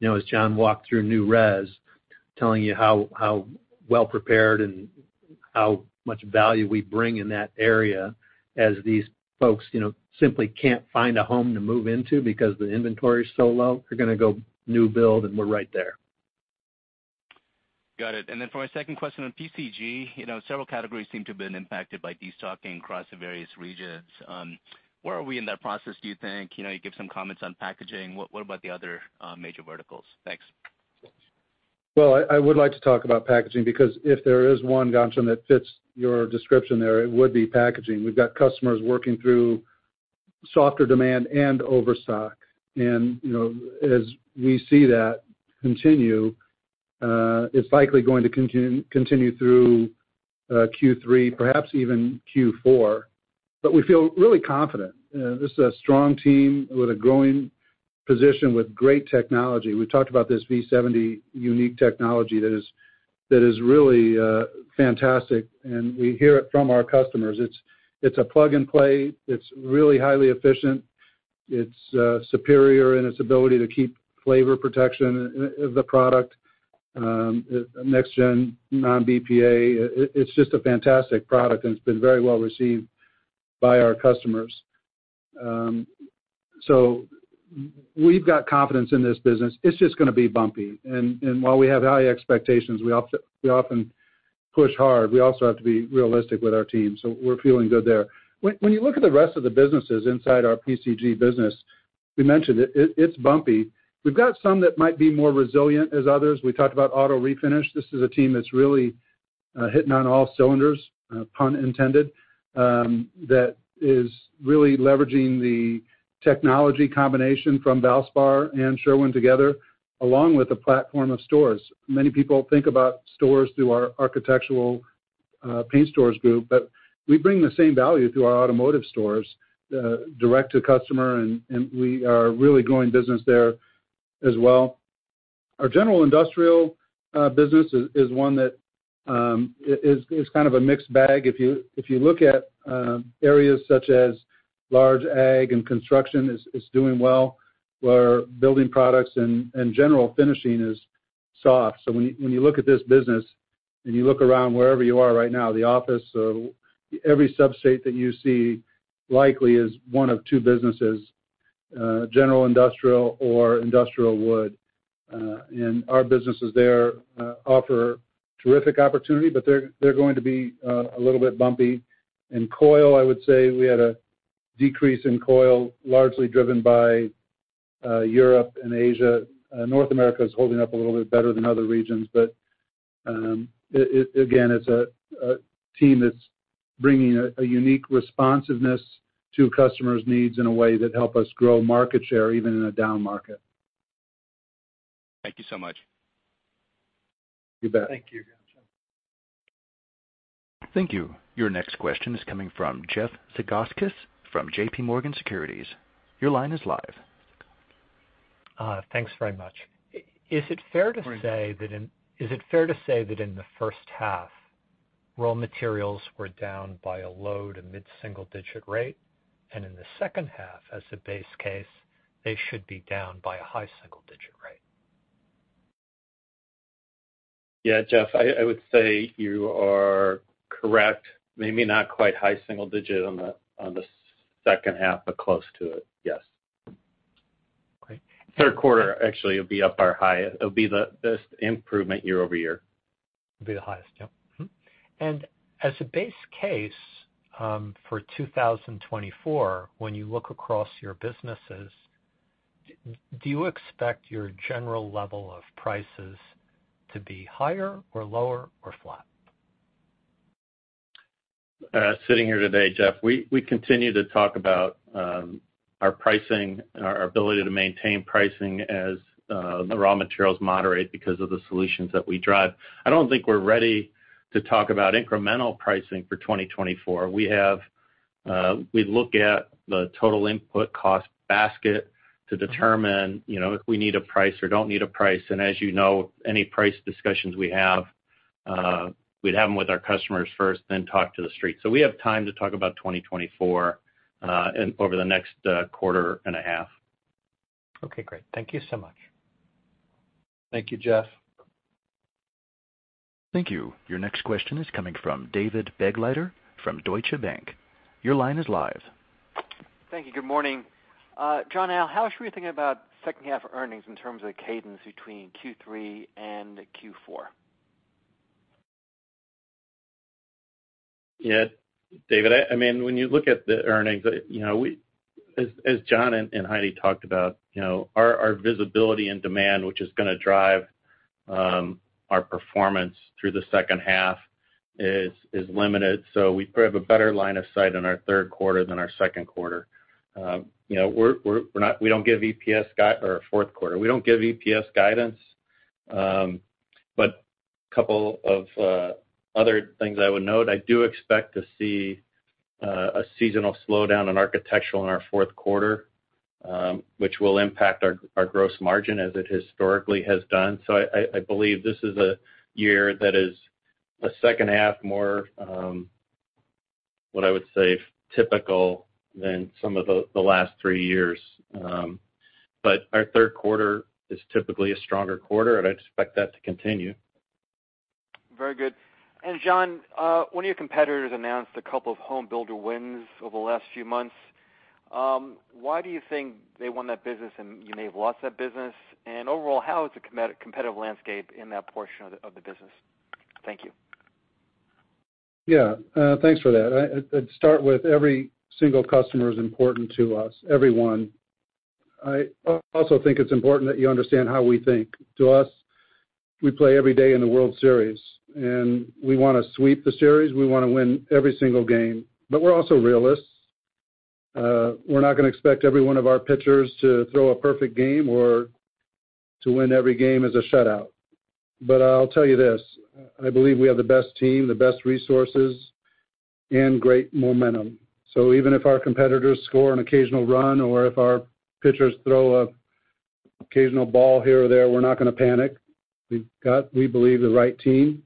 you know, as John walked through new res, telling you how well prepared and how much value we bring in that area as these folks, you know, simply can't find a home to move into because the inventory is so low, they're gonna go new build, and we're right there. Got it. For my second question on PCG, you know, several categories seem to have been impacted by destocking across the various regions. Where are we in that process, do you think? You know, you give some comments on packaging. What about the other major verticals? Thanks. Well, I would like to talk about packaging, because if there is one Ghansham that fits your description there, it would be packaging. We've got customers working through softer demand and overstock. You know, as we see that continue, it's likely going to continue through Q3, perhaps even Q4. We feel really confident. This is a strong team with a growing position, with great technology. We talked about this V70 unique technology that is really fantastic, and we hear it from our customers. It's a plug-and-play, it's really highly efficient. It's superior in its ability to keep flavor protection of the product, next gen, non-BPA. It's just a fantastic product, and it's been very well received by our customers. We've got confidence in this business. It's just gonna be bumpy. While we have high expectations, we often push hard. We also have to be realistic with our team, so we're feeling good there. When you look at the rest of the businesses inside our PCG business, we mentioned it's bumpy. We've got some that might be more resilient as others. We talked about auto refinish. This is a team that's really hitting on all cylinders, pun intended, that is really leveraging the technology combination from Valspar and Sherwin together, along with a platform of stores. Many people think about stores through our architectural Paint Stores Group, but we bring the same value through our automotive stores direct to customer, we are really growing business there as well. Our general industrial business is one that is kind of a mixed bag. If you look at areas such as large ag and construction is doing well, where building products and general finishing is soft. When you look at this business and you look around wherever you are right now, the office, every substrate that you see likely is one of two businesses, general industrial or industrial wood. And our businesses there offer terrific opportunity, but they're going to be a little bit bumpy. In coil, I would say we had a decrease in coil, largely driven by Europe and Asia. North America is holding up a little bit better than other regions, but it again, it's a team that's bringing a unique responsiveness to customers' needs in a way that help us grow market share, even in a down market. Thank you so much. You bet. Thank you, Ghansham. Thank you. Your next question is coming from Jeff Zekauskas from JPMorgan Securities. Your line is live. Thanks very much. Is it fair to say that in the first half, raw materials were down by a low to mid-single digit rate, and in the second half, as a base case, they should be down by a high single digit rate? Yeah, Jeff, I would say you are correct. Maybe not quite high single digit on the second half, but close to it, yes. Okay. Third quarter, actually, it'll be up our highest. It'll be the best improvement year-over-year. It'll be the highest, yep. As a base case, for 2024, when you look across your businesses, do you expect your general level of prices to be higher or lower or flat? sitting here today, Jeff, we continue to talk about our pricing and our ability to maintain pricing as the raw materials moderate because of the solutions that we drive. I don't think we're ready to talk about incremental pricing for 2024. We have, we look at the total input cost basket to determine, you know, if we need a price or don't need a price. As you know, any price discussions we have, we'd have them with our customers first, then talk to the street. We have time to talk about 2024 and over the next quarter and a half. Okay, great. Thank you so much. Thank you, Jeff. Thank you. Your next question is coming from David Begleiter from Deutsche Bank. Your line is live. Thank you. Good morning. John L, how should we think about second half earnings in terms of the cadence between Q3 and Q4? David, I mean, when you look at the earnings, you know, as John and Heidi talked about, you know, our visibility and demand, which is going to drive our performance through the second half is limited, we probably have a better line of sight in our third quarter than our second quarter. You know, We don't give EPS guidance. A couple of other things I would note, I do expect to see a seasonal slowdown in architectural in our fourth quarter, which will impact our gross margin as it historically has done. I believe this is a year that is a second half more, what I would say, typical than some of the last three years. Our third quarter is typically a stronger quarter, and I'd expect that to continue. Very good. John, one of your competitors announced a couple of home builder wins over the last few months. Why do you think they won that business and you may have lost that business? Overall, how is the competitive landscape in that portion of the business? Thank you. Yeah, thanks for that. I'd start with every single customer is important to us, every one. I also think it's important that you understand how we think. To us, we play every day in the World Series, and we want to sweep the series. We want to win every single game, but we're also realists. We're not going to expect every one of our pitchers to throw a perfect game or to win every game as a shutout. I'll tell you this: I believe we have the best team, the best resources, and great momentum. Even if our competitors score an occasional run or if our pitchers throw a occasional ball here or there, we're not going to panic. We've got, we believe, the right team.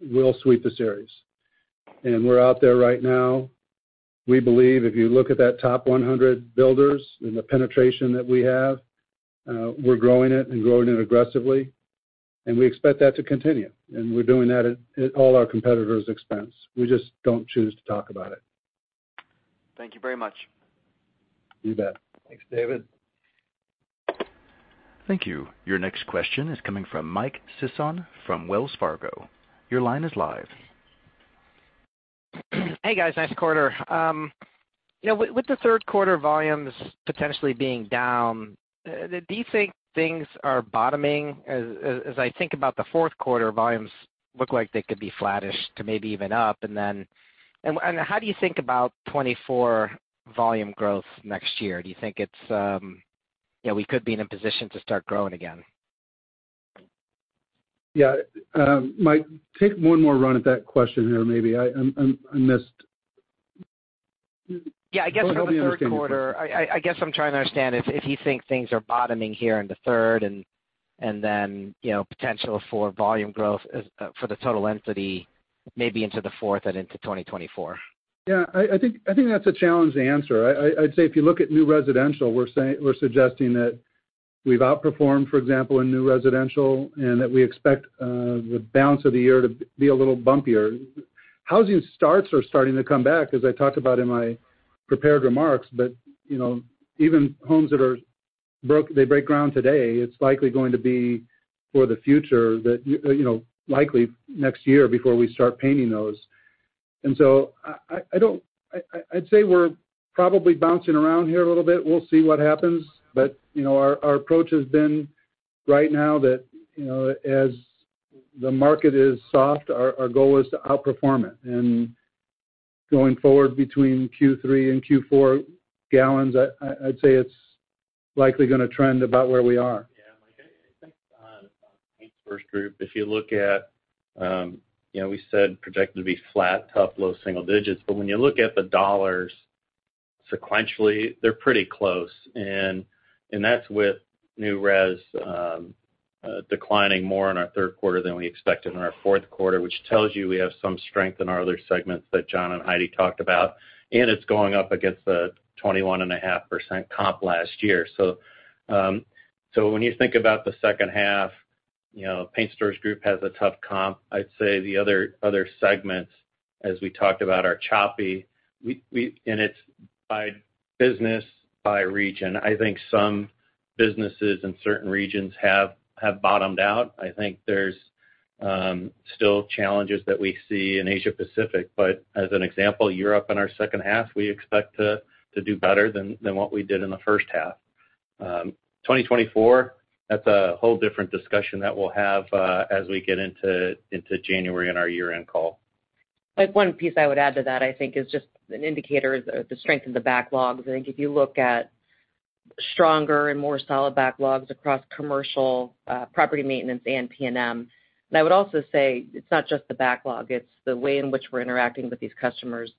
We'll sweep the series. We're out there right now. We believe if you look at that top 100 builders and the penetration that we have, we're growing it and growing it aggressively, and we expect that to continue, and we're doing that at all our competitors' expense. We just don't choose to talk about it. Thank you very much. You bet. Thanks, David. Thank you. Your next question is coming from Mike Sison from Wells Fargo. Your line is live. Hey, guys, nice quarter. You know, with the third quarter volumes potentially being down, do you think things are bottoming? As I think about the fourth quarter, volumes look like they could be flattish to maybe even up. How do you think about 2024 volume growth next year? Do you think it's, you know, we could be in a position to start growing again? Yeah, Mike, take one more run at that question there, maybe. I missed. Yeah, I guess- Help me understand the question. For the third quarter, I guess I'm trying to understand if you think things are bottoming here in the third and then, you know, potential for volume growth, for the total entity, maybe into the fourth and into 2024? Yeah, I think that's a challenging answer. I'd say if you look at new residential, we're suggesting that we've outperformed, for example, in new residential, that we expect the bounce of the year to be a little bumpier. Housing starts are starting to come back, as I talked about in my prepared remarks, you know, even homes that they break ground today, it's likely going to be for the future, that, you know, likely next year before we start painting those. I'd say we're probably bouncing around here a little bit. We'll see what happens. You know, our approach has been right now that, you know, as the market is soft, our goal is to outperform it. Going forward between Q3 and Q4 gallons, I'd say it's likely going to trend about where we are. I think Paint Stores Group, if you look at, you know, we said projected to be flat, top, low single digits. When you look at the dollars sequentially, they're pretty close, and that's with new res declining more in our 3rd quarter than we expected in our 4th quarter, which tells you we have some strength in our other segments that John and Heidi talked about, and it's going up against a 21.5% comp last year. When you think about the 2nd half, you know, Paint Stores Group has a tough comp. I'd say the other segments, as we talked about, are choppy. And it's by business, by region. I think some businesses in certain regions have bottomed out. I think there's still challenges that we see in Asia Pacific. As an example, Europe in our second half, we expect to do better than what we did in the first half.... 2024, that's a whole different discussion that we'll have, as we get into January on our year-end call. Like, one piece I would add to that, I think, is just an indicator of the strength of the backlogs. I think if you look at stronger and more solid backlogs across commercial, property maintenance, and P&M. I would also say it's not just the backlog, it's the way in which we're interacting with these customers.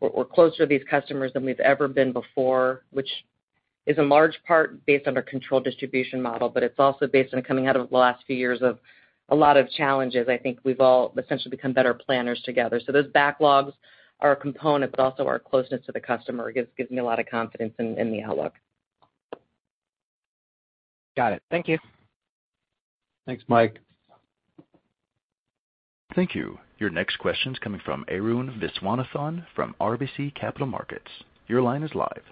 We're closer to these customers than we've ever been before, which is a large part based on our controlled distribution model, but it's also based on coming out of the last few years of a lot of challenges. I think we've all essentially become better planners together. Those backlogs are a component, but also our closeness to the customer gives me a lot of confidence in the outlook. Got it. Thank you. Thanks, Mike. Thank you. Your next question is coming from Arun Viswanathan from RBC Capital Markets. Your line is live.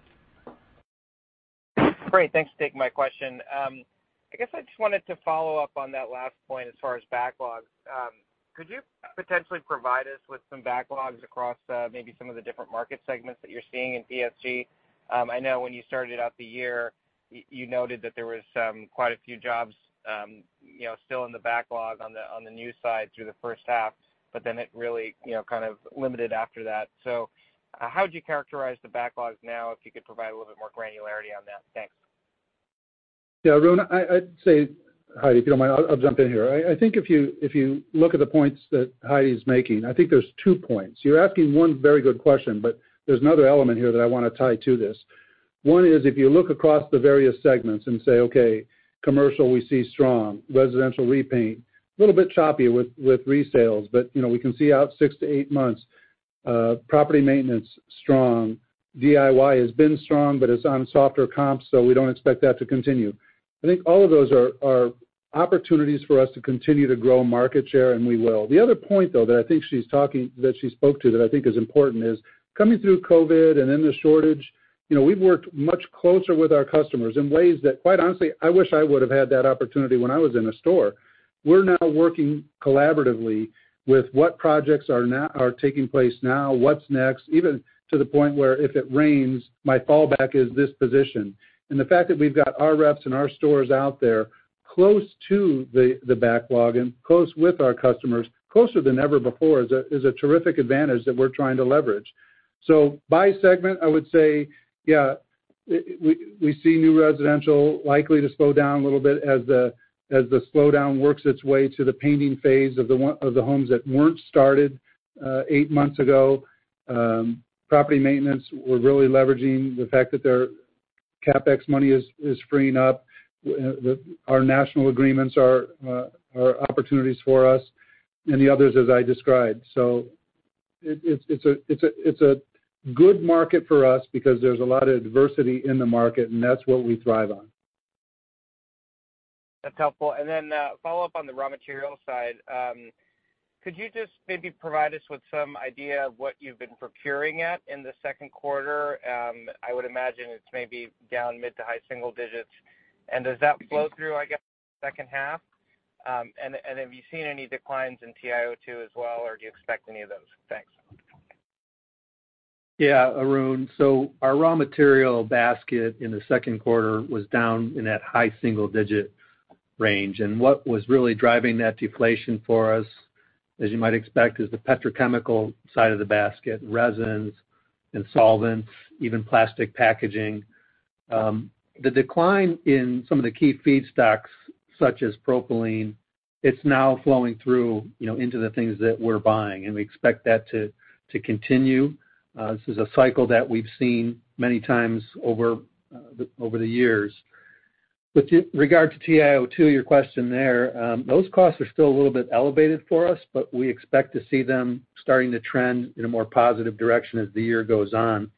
Great, thanks for taking my question. I guess I just wanted to follow up on that last point as far as backlogs. Could you potentially provide us with some backlogs across maybe some of the different market segments that you're seeing in PSG? I know when you started out the year, you noted that there was quite a few jobs, you know, still in the backlog on the, on the new side through the first half, but then it really, you know, kind of limited after that. How would you characterize the backlogs now, if you could provide a little bit more granularity on that? Thanks. Arun, I'd say Heidi, if you don't mind, I'll jump in here. I think if you look at the points that Heidi is making, I think there's 2 points. You're asking 1 very good question, there's another element here that I want to tie to this. 1 is, if you look across the various segments and say, "Okay, commercial, we see strong. Residential repaint, a little bit choppy with resales, but, you know, we can see out 6-8 months. Property maintenance, strong. DIY has been strong, but it's on softer comps, we don't expect that to continue." I think all of those are opportunities for us to continue to grow market share, and we will. The other point, though, that I think she spoke to, that I think is important, is coming through COVID and then the shortage, you know, we've worked much closer with our customers in ways that, quite honestly, I wish I would have had that opportunity when I was in a store. We're now working collaboratively with what projects are taking place now, what's next, even to the point where if it rains, my fallback is this position. The fact that we've got our reps and our stores out there close to the backlog and close with our customers, closer than ever before, is a terrific advantage that we're trying to leverage. By segment, I would say, yeah, we see new residential likely to slow down a little bit as the slowdown works its way to the painting phase of the homes that weren't started, eight months ago. Property maintenance, we're really leveraging the fact that their CapEx money is freeing up, our national agreements are opportunities for us and the others as I described. It's a good market for us because there's a lot of diversity in the market, and that's what we thrive on. That's helpful. Follow up on the raw material side. Could you just maybe provide us with some idea of what you've been procuring at in the second quarter? I would imagine it's maybe down mid to high single digits. Does that flow through, I guess, the second half? Have you seen any declines in TiO2 as well, or do you expect any of those? Thanks. Yeah, Arun. Our raw material basket in the second quarter was down in that high single-digit range. What was really driving that deflation for us, as you might expect, is the petrochemical side of the basket, resins and solvents, even plastic packaging. The decline in some of the key feedstocks, such as propylene, it's now flowing through, you know, into the things that we're buying, and we expect that to continue. This is a cycle that we've seen many times over the years. With regard to TiO2, your question there, those costs are still a little bit elevated for us, but we expect to see them starting to trend in a more positive direction as the year goes on.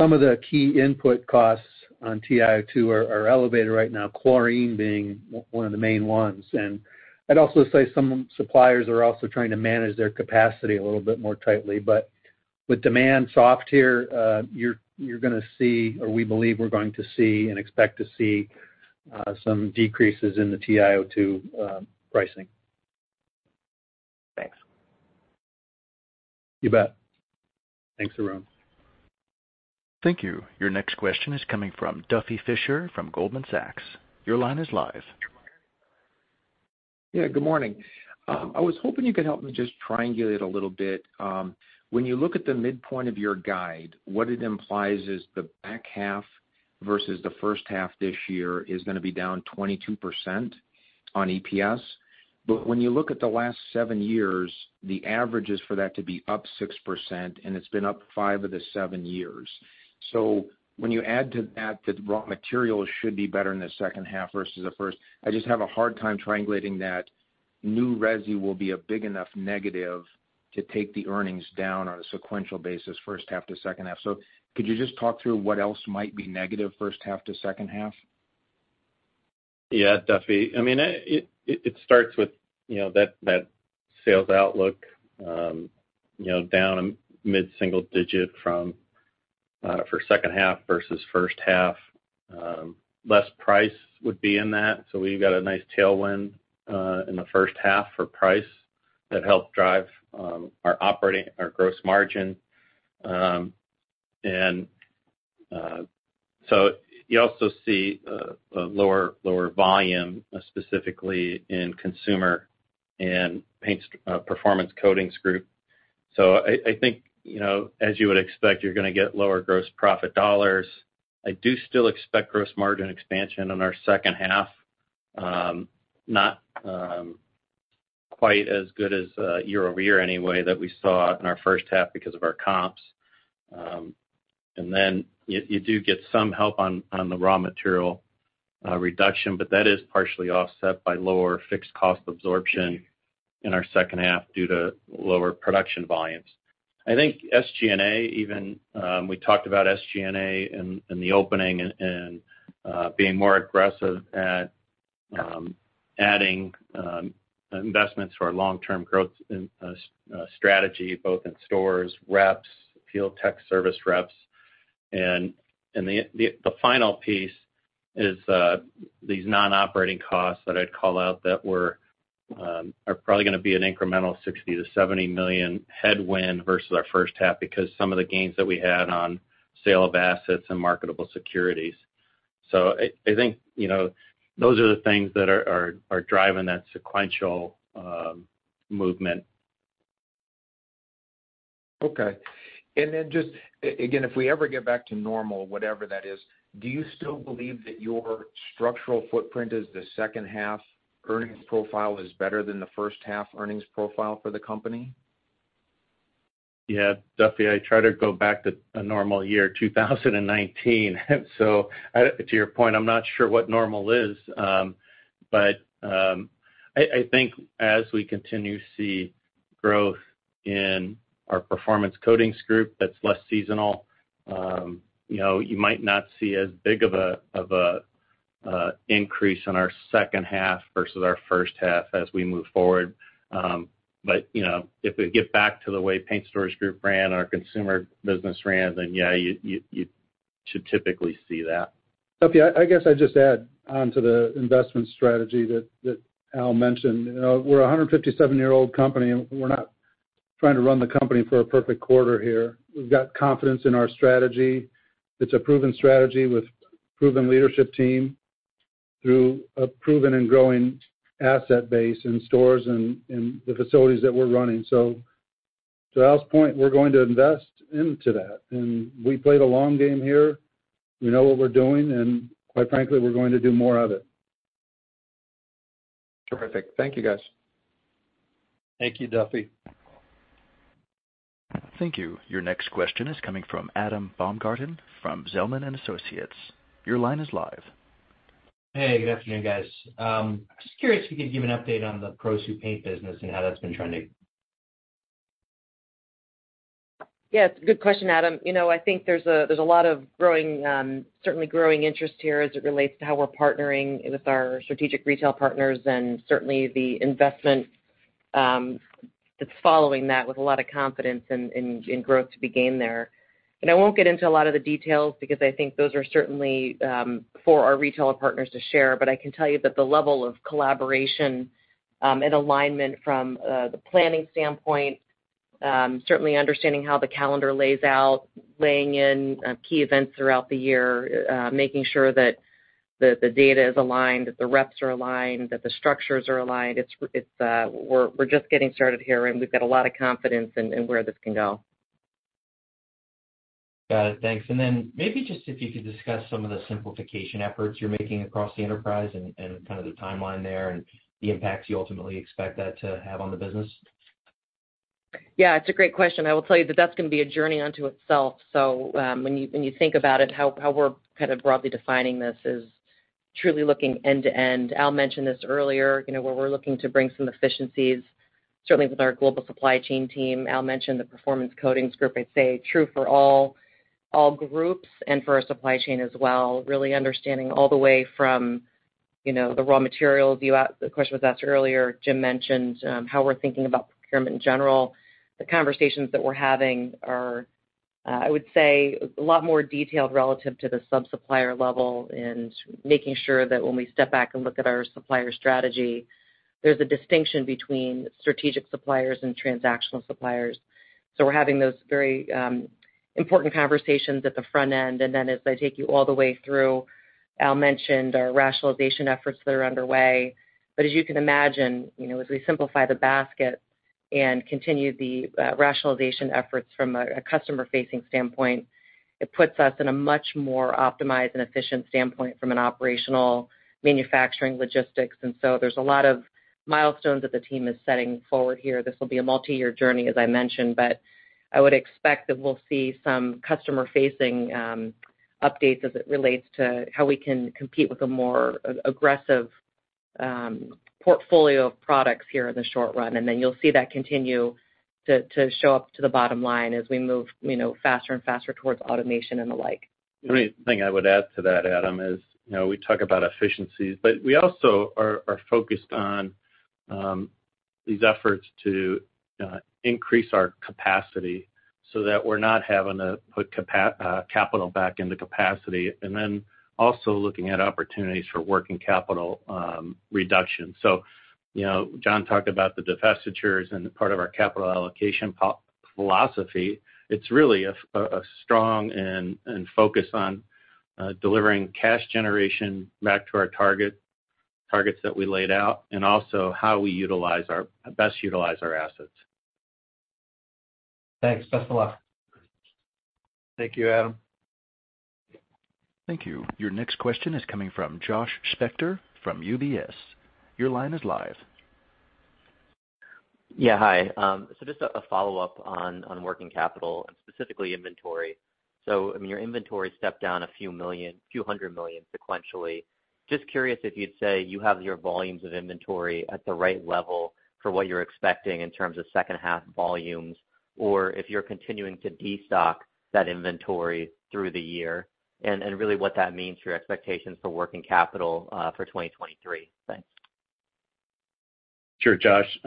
Some of the key input costs on TiO2 are elevated right now, chlorine being one of the main ones. I'd also say some suppliers are also trying to manage their capacity a little bit more tightly. With demand soft here, you're gonna see, or we believe we're going to see and expect to see, some decreases in the TiO2 pricing. Thanks. You bet. Thanks, Arun. Thank you. Your next question is coming from Duffy Fischer from Goldman Sachs. Your line is live. Yeah, good morning. I was hoping you could help me just triangulate a little bit. When you look at the midpoint of your guide, what it implies is the back half versus the first half this year is gonna be down 22% on EPS. When you look at the last 7 years, the average is for that to be up 6%, and it's been up 5 of the 7 years. When you add to that, the raw materials should be better in the second half versus the first. I just have a hard time triangulating that new resi will be a big enough negative to take the earnings down on a sequential basis, first half to second half. Could you just talk through what else might be negative first half to second half? Duffy. I mean, it starts with, you know, that sales outlook, you know, down mid-single digit from for second half versus first half. Less price would be in that, so we've got a nice tailwind, in the first half for price. that help drive our operating, our gross margin. You also see a lower volume, specifically in consumer and paints, Performance Coatings Group. I think, you know, as you would expect, you're gonna get lower gross profit dollars. I do still expect gross margin expansion in our second half, not quite as good as year-over-year anyway, that we saw in our first half because of our comps. Then you do get some help on the raw material reduction, but that is partially offset by lower fixed cost absorption in our second half due to lower production volumes. I think SG&A, even, we talked about SG&A in the opening and being more aggressive at adding investments for our long-term growth and strategy, both in stores, reps, field tech service reps. The final piece is these non-operating costs that I'd call out that were probably gonna be an incremental $60 million-$70 million headwind versus our first half, because some of the gains that we had on sale of assets and marketable securities. I think, you know, those are the things that are driving that sequential movement. Okay. Then just, again, if we ever get back to normal, whatever that is, do you still believe that your structural footprint is the second half earnings profile is better than the first half earnings profile for the company? Duffy, I try to go back to a normal year, 2019. I, to your point, I'm not sure what normal is. I think as we continue to see growth in our Performance Coatings Group, that's less seasonal, you know, you might not see as big of a, of a increase in our second half versus our first half as we move forward. You know, if we get back to the way Paint Stores Group ran, our consumer business ran, then yeah, you, you should typically see that. Duffy, I guess I'd just add on to the investment strategy that Al mentioned. You know, we're a 157-year-old company. We're not trying to run the company for a perfect quarter here. We've got confidence in our strategy. It's a proven strategy with proven leadership team through a proven and growing asset base in stores and the facilities that we're running. To Al's point, we're going to invest into that. We play the long game here. We know what we're doing. Quite frankly, we're going to do more of it. Terrific. Thank you, guys. Thank you, Duffy. Thank you. Your next question is coming from Adam Baumgarten from Zelman & Associates. Your line is live. Hey, good afternoon, guys. Just curious if you could give an update on the ProSo paint business and how that's been trending? Yes, good question, Adam. You know, I think there's a lot of growing, certainly growing interest here as it relates to how we're partnering with our strategic retail partners and certainly the investment that's following that with a lot of confidence and growth to be gained there. I won't get into a lot of the details because I think those are certainly for our retailer partners to share, but I can tell you that the level of collaboration and alignment from the planning standpoint, certainly understanding how the calendar lays out, laying in key events throughout the year, making sure that the data is aligned, that the reps are aligned, that the structures are aligned. It's we're just getting started here, and we've got a lot of confidence in where this can go. Got it. Thanks. Maybe just if you could discuss some of the simplification efforts you're making across the enterprise and kind of the timeline there and the impacts you ultimately expect that to have on the business? Yeah, it's a great question. I will tell you that that's gonna be a journey unto itself. When you think about it, how we're broadly defining this is truly looking end-to-end. Al mentioned this earlier, you know, where we're looking to bring some efficiencies, certainly with our global supply chain team. Al mentioned the Performance Coatings Group. I'd say true for all groups and for our supply chain as well, really understanding all the way from, you know, the raw materials. The question was asked earlier, Jim mentioned how we're thinking about procurement in general. The conversations that we're having are, I would say, a lot more detailed relative to the sub-supplier level and making sure that when we step back and look at our supplier strategy, there's a distinction between strategic suppliers and transactional suppliers. We're having those very important conversations at the front end, then as I take you all the way through, Al mentioned our rationalization efforts that are underway. As you can imagine, you know, as we simplify the basket and continue the rationalization efforts from a customer-facing standpoint, it puts us in a much more optimized and efficient standpoint from an operational, manufacturing, logistics. There's a lot of milestones that the team is setting forward here. This will be a multi-year journey, as I mentioned, but I would expect that we'll see some customer-facing updates as it relates to how we can compete with a more aggressive portfolio of products here in the short run. You'll see that continue to show up to the bottom line as we move, you know, faster and faster towards automation and the like. The only thing I would add to that, Adam, is, you know, we talk about efficiencies, but we also are focused on these efforts to increase our capacity so that we're not having to put capital back into capacity, and then also looking at opportunities for working capital reduction. You know, John talked about the divestitures and the part of our capital allocation philosophy. It's really a strong and focused on delivering cash generation back to our targets that we laid out, and also how we best utilize our assets. Thanks, best of luck. Thank you, Adam. Thank you. Your next question is coming from Josh Spector from UBS. Your line is live. Yeah. Hi, just a follow-up on working capital and specifically inventory. I mean, your inventory stepped down a few million, few hundred million sequentially. Just curious if you'd say you have your volumes of inventory at the right level for what you're expecting in terms of second half volumes, or if you're continuing to destock that inventory through the year, and really what that means for your expectations for working capital for 2023? Thanks. Sure, Josh.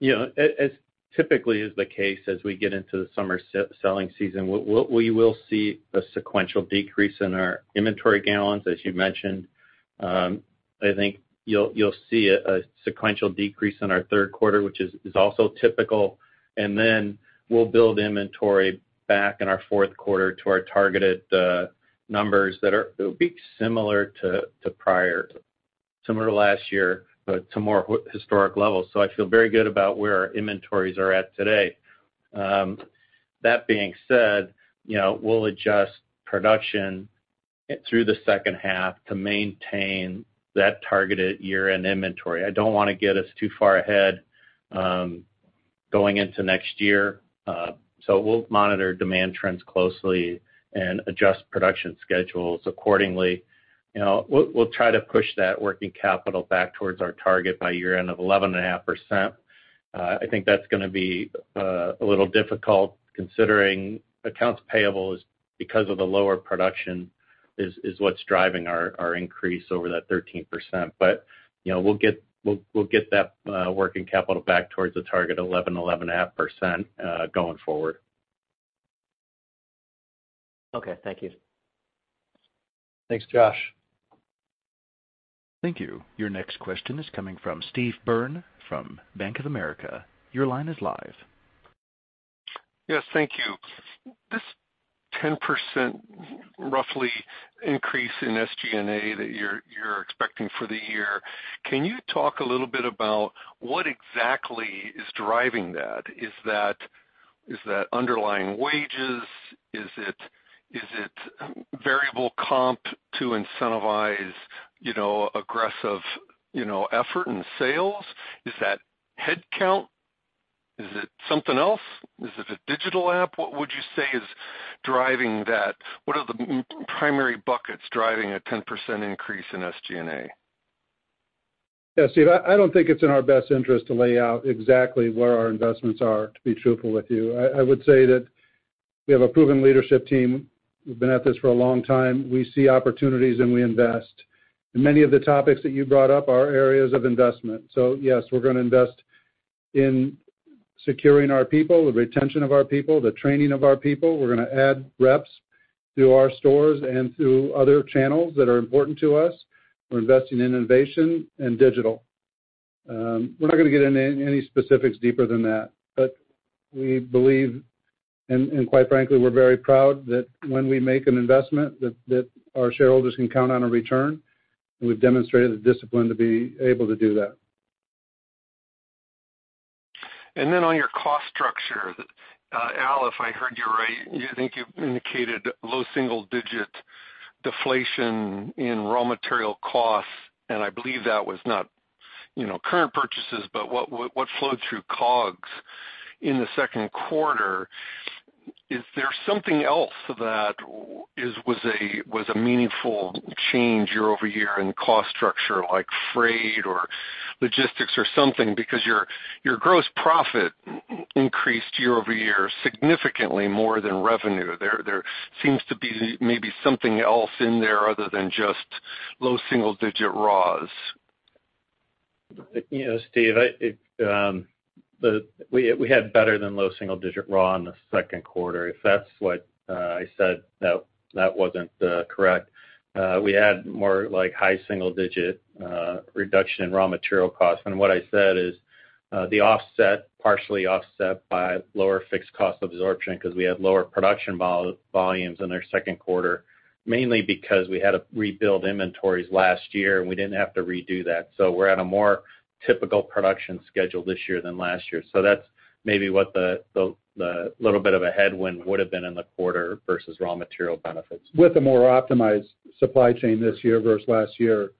you know, as typically is the case, as we get into the summer selling season, we will see a sequential decrease in our inventory gallons, as you mentioned. I think you'll see a sequential decrease in our third quarter, which is also typical, and then we'll build inventory back in our fourth quarter to our targeted numbers that it'll be similar to prior, similar to last year, but to more historic levels. I feel very good about where our inventories are at today. That being said, you know, we'll adjust production through the second half to maintain that targeted year-end inventory. I don't wanna get us too far ahead, going into next year. We'll monitor demand trends closely and adjust production schedules accordingly. You know, we'll try to push that working capital back towards our target by year-end of 11.5%. I think that's gonna be a little difficult considering accounts payable is, because of the lower production, is what's driving our increase over that 13%. You know, we'll get that working capital back towards the target 11-11.5% going forward. Okay, thank you. Thanks, Josh. Thank you. Your next question is coming from Steve Byrne from Bank of America. Your line is live. Yes, thank you. This 10%, roughly, increase in SG&A that you're expecting for the year, can you talk a little bit about what exactly is driving that? Is that underlying wages? Is it variable comp to incentivize, you know, aggressive, you know, effort in sales? Is that headcount? Is it something else? Is it a digital app? What would you say is driving that? What are the primary buckets driving a 10% increase in SG&A? Steve, I don't think it's in our best interest to lay out exactly where our investments are, to be truthful with you. I would say that we have a proven leadership team. We've been at this for a long time. We see opportunities, and we invest. Many of the topics that you brought up are areas of investment. Yes, we're gonna invest in securing our people, the retention of our people, the training of our people. We're gonna add reps to our stores and to other channels that are important to us. We're investing in innovation and digital. We're not gonna get into any specifics deeper than that, but we believe, and quite frankly, we're very proud that when we make an investment, that our shareholders can count on a return, and we've demonstrated the discipline to be able to do that. On your cost structure, Al, if I heard you right, I think you indicated low single-digit deflation in raw material costs, and I believe that was not, you know, current purchases, but what flowed through COGS in the second quarter. Is there something else that was a meaningful change year-over-year in cost structure, like freight or logistics or something? Your gross profit increased year-over-year, significantly more than revenue. There seems to be maybe something else in there other than just low single-digit raws. You know, Steve, I, it, the... We had better than low single-digit raw in the second quarter. If that's what I said, no, that wasn't correct. We had more like high single-digit reduction in raw material costs. What I said is the offset, partially offset by lower fixed cost absorption, 'cause we had lower production volumes in our second quarter, mainly because we had to rebuild inventories last year, and we didn't have to redo that. We're at a more typical production schedule this year than last year. That's maybe what the little bit of a headwind would've been in the quarter versus raw material benefits. With a more optimized supply chain this year versus last year,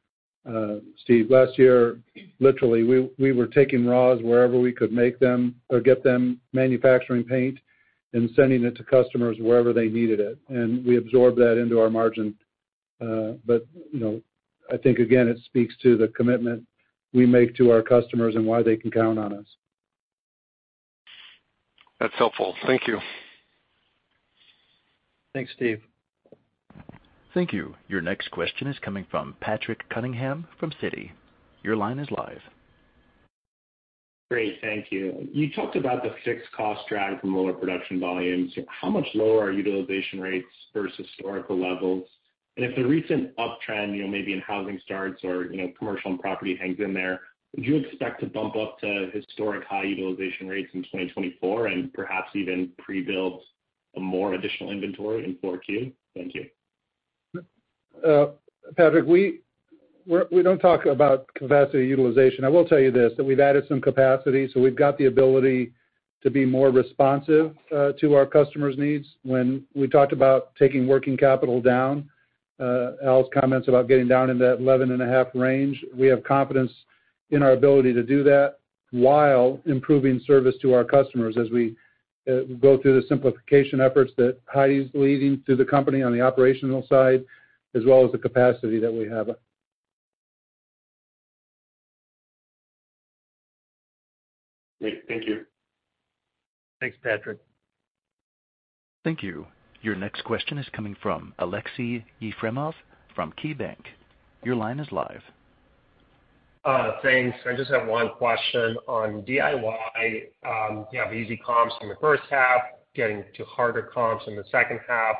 Steve. Last year, literally, we were taking raws wherever we could make them or get them, manufacturing paint and sending it to customers wherever they needed it, and we absorbed that into our margin. You know, I think, again, it speaks to the commitment we make to our customers and why they can count on us. That's helpful. Thank you. Thanks, Steve. Thank you. Your next question is coming from Patrick Cunningham from Citi. Your line is live. Great, thank you. You talked about the fixed cost drag from lower production volumes. How much lower are utilization rates versus historical levels? If the recent uptrend, you know, maybe in housing starts or, you know, commercial and property hangs in there, would you expect to bump up to historic high utilization rates in 2024 and perhaps even pre-build a more additional inventory in 4Q? Thank you. Patrick, we don't talk about capacity utilization. I will tell you this, that we've added some capacity, so we've got the ability to be more responsive to our customers' needs. When we talked about taking working capital down, Al's comments about getting down in that 11 and a half range, we have confidence in our ability to do that while improving service to our customers as we go through the simplification efforts that Heidi's leading through the company on the operational side, as well as the capacity that we have. Great. Thank you. Thanks, Patrick. Thank you. Your next question is coming from Aleksey Yefremov from KeyBanc. Your line is live. Thanks. I just have 1 question on DIY. You have easy comps in the first half, getting to harder comps in the second half.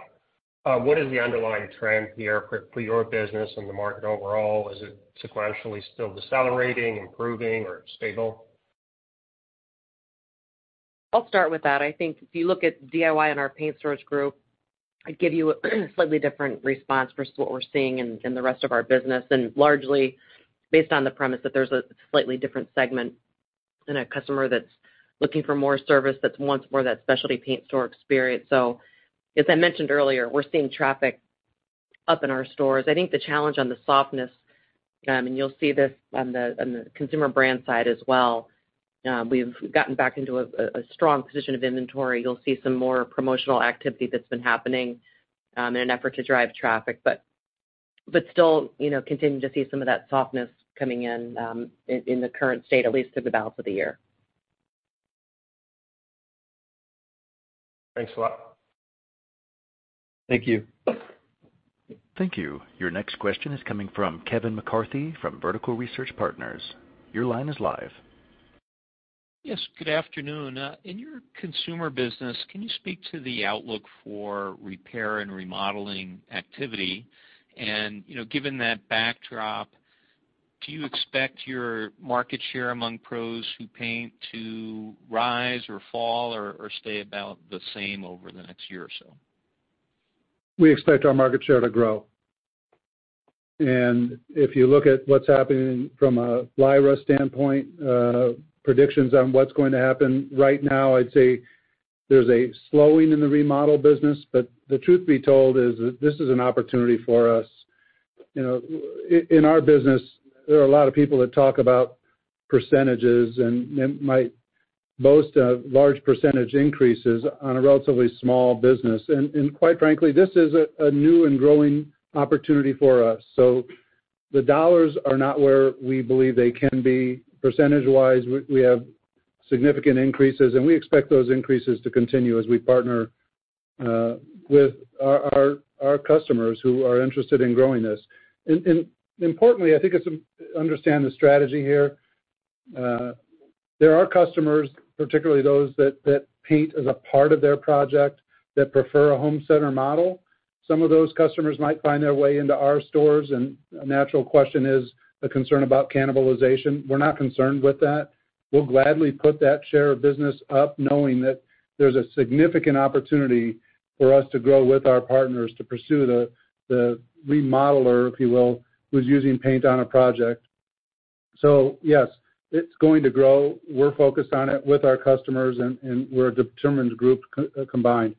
What is the underlying trend here for your business and the market overall? Is it sequentially still decelerating, improving, or stable? I'll start with that. I think if you look at DIY in our Paint Stores Group, I'd give you a slightly different response versus what we're seeing in the rest of our business, and largely based on the premise that there's a slightly different segment in a customer that's looking for more service, that wants more of that specialty paint store experience. As I mentioned earlier, we're seeing traffic up in our stores. I think the challenge on the softness, and you'll see this on the Consumer Brands side as well, we've gotten back into a strong position of inventory. You'll see some more promotional activity that's been happening, in an effort to drive traffic, but still, you know, continuing to see some of that softness coming in the current state, at least through the balance of the year. Thanks a lot. Thank you. Thank you. Your next question is coming from Kevin McCarthy from Vertical Research Partners. Your line is live. Good afternoon. In your consumer business, can you speak to the outlook for repair and remodeling activity? You know, given that backdrop, do you expect your market share among pros who paint to rise or fall or stay about the same over the next year or so? We expect our market share to grow. If you look at what's happening from a LIRA standpoint, predictions on what's going to happen right now, I'd say there's a slowing in the remodel business. The truth be told is that this is an opportunity for us. You know, in our business, there are a lot of people that talk about % and might boast of large % increases on a relatively small business. Quite frankly, this is a new and growing opportunity for us. The dollars are not where we believe they can be. Percentage-wise, we have significant increases, and we expect those increases to continue as we partner with our customers who are interested in growing this. Importantly, I think it's understand the strategy here. There are customers, particularly those that paint as a part of their project, that prefer a home center model. Some of those customers might find their way into our stores, a natural question is a concern about cannibalization. We're not concerned with that. We'll gladly put that share of business up, knowing that there's a significant opportunity for us to grow with our partners to pursue the remodeler, if you will, who's using paint on a project. Yes, it's going to grow. We're focused on it with our customers, and we're a determined group combined,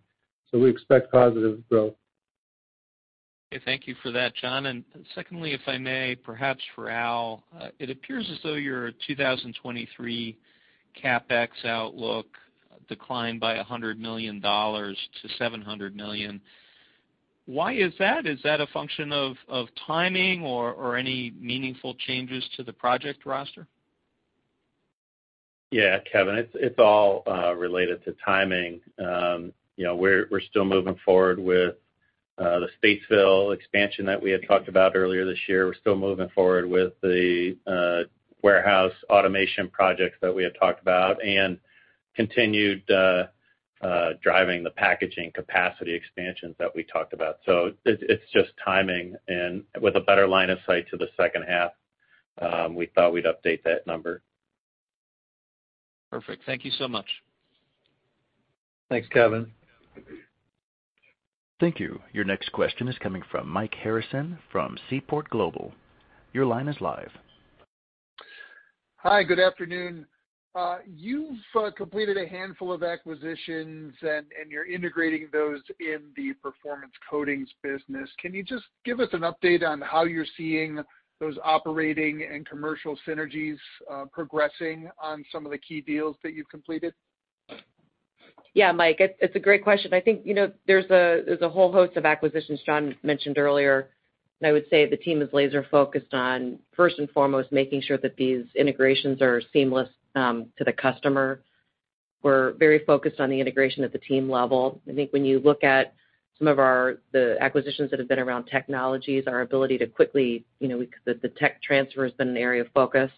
so we expect positive growth. Okay. Thank you for that, John. Secondly, if I may, perhaps for Al, it appears as though your 2023 CapEx outlook declined by $100 million to $700 million. Why is that? Is that a function of timing or any meaningful changes to the project roster? Yeah, Kevin, it's all related to timing. You know, we're still moving forward with the Statesville expansion that we had talked about earlier this year. We're still moving forward with the warehouse automation projects that we had talked about and continued driving the packaging capacity expansions that we talked about. It's just timing and with a better line of sight to the second half, we thought we'd update that number. Perfect. Thank you so much. Thanks, Kevin. Thank you. Your next question is coming from Mike Harrison from Seaport Global. Your line is live. Hi, good afternoon. You've completed a handful of acquisitions, and you're integrating those in the Performance Coatings business. Can you just give us an update on how you're seeing those operating and commercial synergies progressing on some of the key deals that you've completed? Yeah, Mike, it's a great question. I think, you know, there's a whole host of acquisitions John mentioned earlier. I would say the team is laser focused on, first and foremost, making sure that these integrations are seamless to the customer. We're very focused on the integration at the team level. I think when you look at some of our, the acquisitions that have been around technologies, our ability to quickly, you know, the tech transfer has been an area of focus,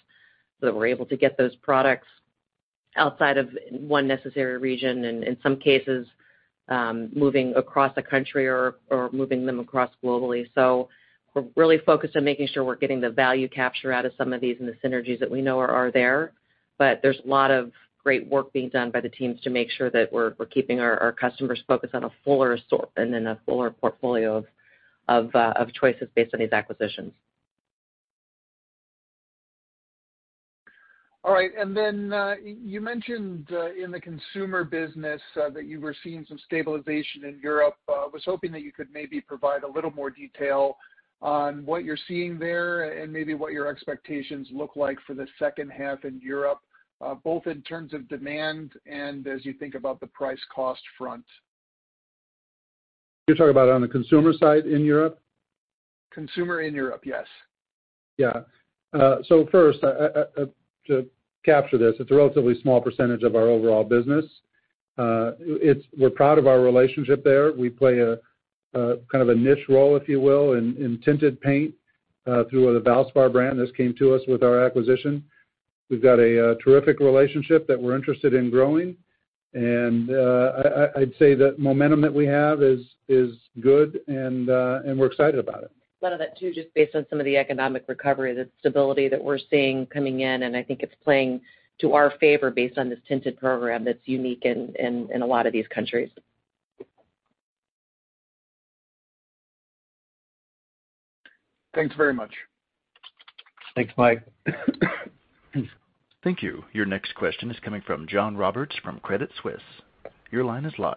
so that we're able to get those products outside of one necessary region, and in some cases, moving across the country or moving them across globally. We're really focused on making sure we're getting the value capture out of some of these and the synergies that we know are there. There's a lot of great work being done by the teams to make sure that we're keeping our customers focused on a fuller store and then a fuller portfolio of choices based on these acquisitions. All right. You mentioned in the consumer business that you were seeing some stabilization in Europe. Was hoping that you could maybe provide a little more detail on what you're seeing there, and maybe what your expectations look like for the second half in Europe, both in terms of demand and as you think about the price cost front. You're talking about on the consumer side in Europe? Consumer in Europe, yes. Yeah. first, to capture this, it's a relatively small % of our overall business. We're proud of our relationship there. We play a kind of a niche role, if you will, in tinted paint through the Valspar brand. This came to us with our acquisition. We've got a terrific relationship that we're interested in growing, and we're excited about it. A lot of that, too, just based on some of the economic recovery, the stability that we're seeing coming in, and I think it's playing to our favor based on this tinted program that's unique in a lot of these countries. Thanks very much. Thanks, Mike. Thank you. Your next question is coming from John Roberts from Credit Suisse. Your line is live.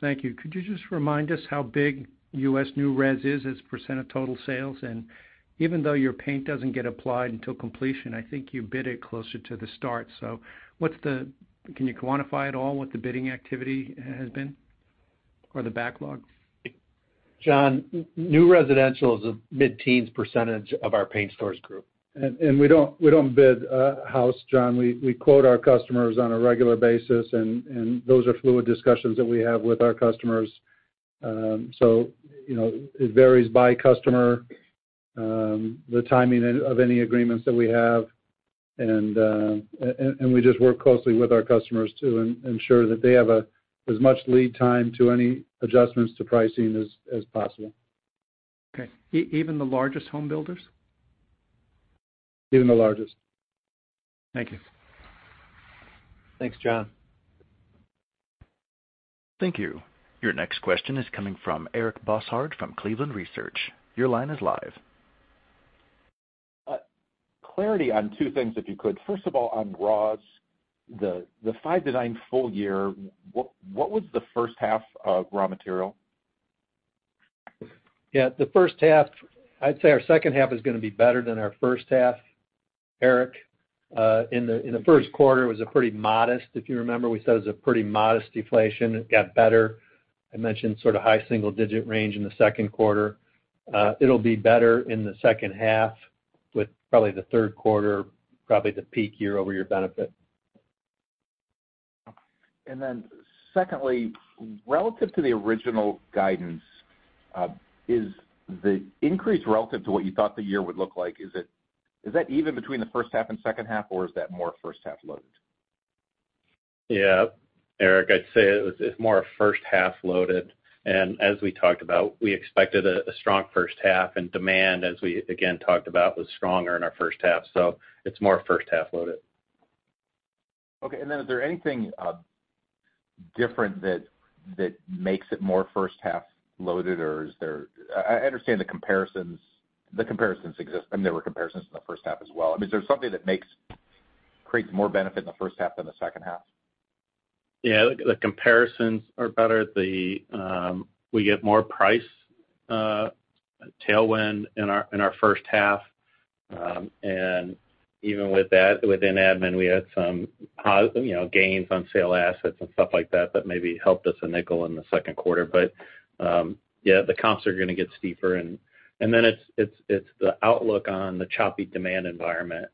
Thank you. Could you just remind us how big U.S. new res is as a % of total sales? Even though your paint doesn't get applied until completion, I think you bid it closer to the start. Can you quantify at all what the bidding activity has been, or the backlog? John, new residential is a mid-teens % of our Paint Stores Group. We don't bid house, John. We quote our customers on a regular basis, and those are fluid discussions that we have with our customers. You know, it varies by customer, the timing of any agreements that we have. We just work closely with our customers to ensure that they have as much lead time to any adjustments to pricing as possible. Okay. Even the largest home builders? Even the largest. Thank you. Thanks, John. Thank you. Your next question is coming from Eric Bosshard from Cleveland Research. Your line is live. Clarity on 2 things, if you could. First of all, on raws, the 5%-9% full year, what was the first half of raw material? The first half, I'd say our second half is gonna be better than our first half, Eric. In the first quarter, if you remember, we said it was a pretty modest deflation. It got better. I mentioned sort of high single-digit range in the second quarter. It'll be better in the second half, with probably the third quarter, probably the peak year-over-year benefit. Then secondly, relative to the original guidance, is the increase relative to what you thought the year would look like? Is it, is that even between the first half and second half, or is that more first half loaded? Yeah, Eric, I'd say it's more first half loaded. As we talked about, we expected a strong first half, and demand, as we again talked about, was stronger in our first half. It's more first half loaded. Okay. Is there anything different that makes it more first half loaded? I understand the comparisons exist. I mean, there were comparisons in the first half as well. I mean, is there something that creates more benefit in the first half than the second half? Yeah, the comparisons are better. The, we get more price tailwind in our first half. Even with that, within admin, we had some you know, gains on sale assets and stuff like that maybe helped us a $0.05 in the second quarter. Yeah, the comps are gonna get steeper, and then it's the outlook on the choppy demand environment.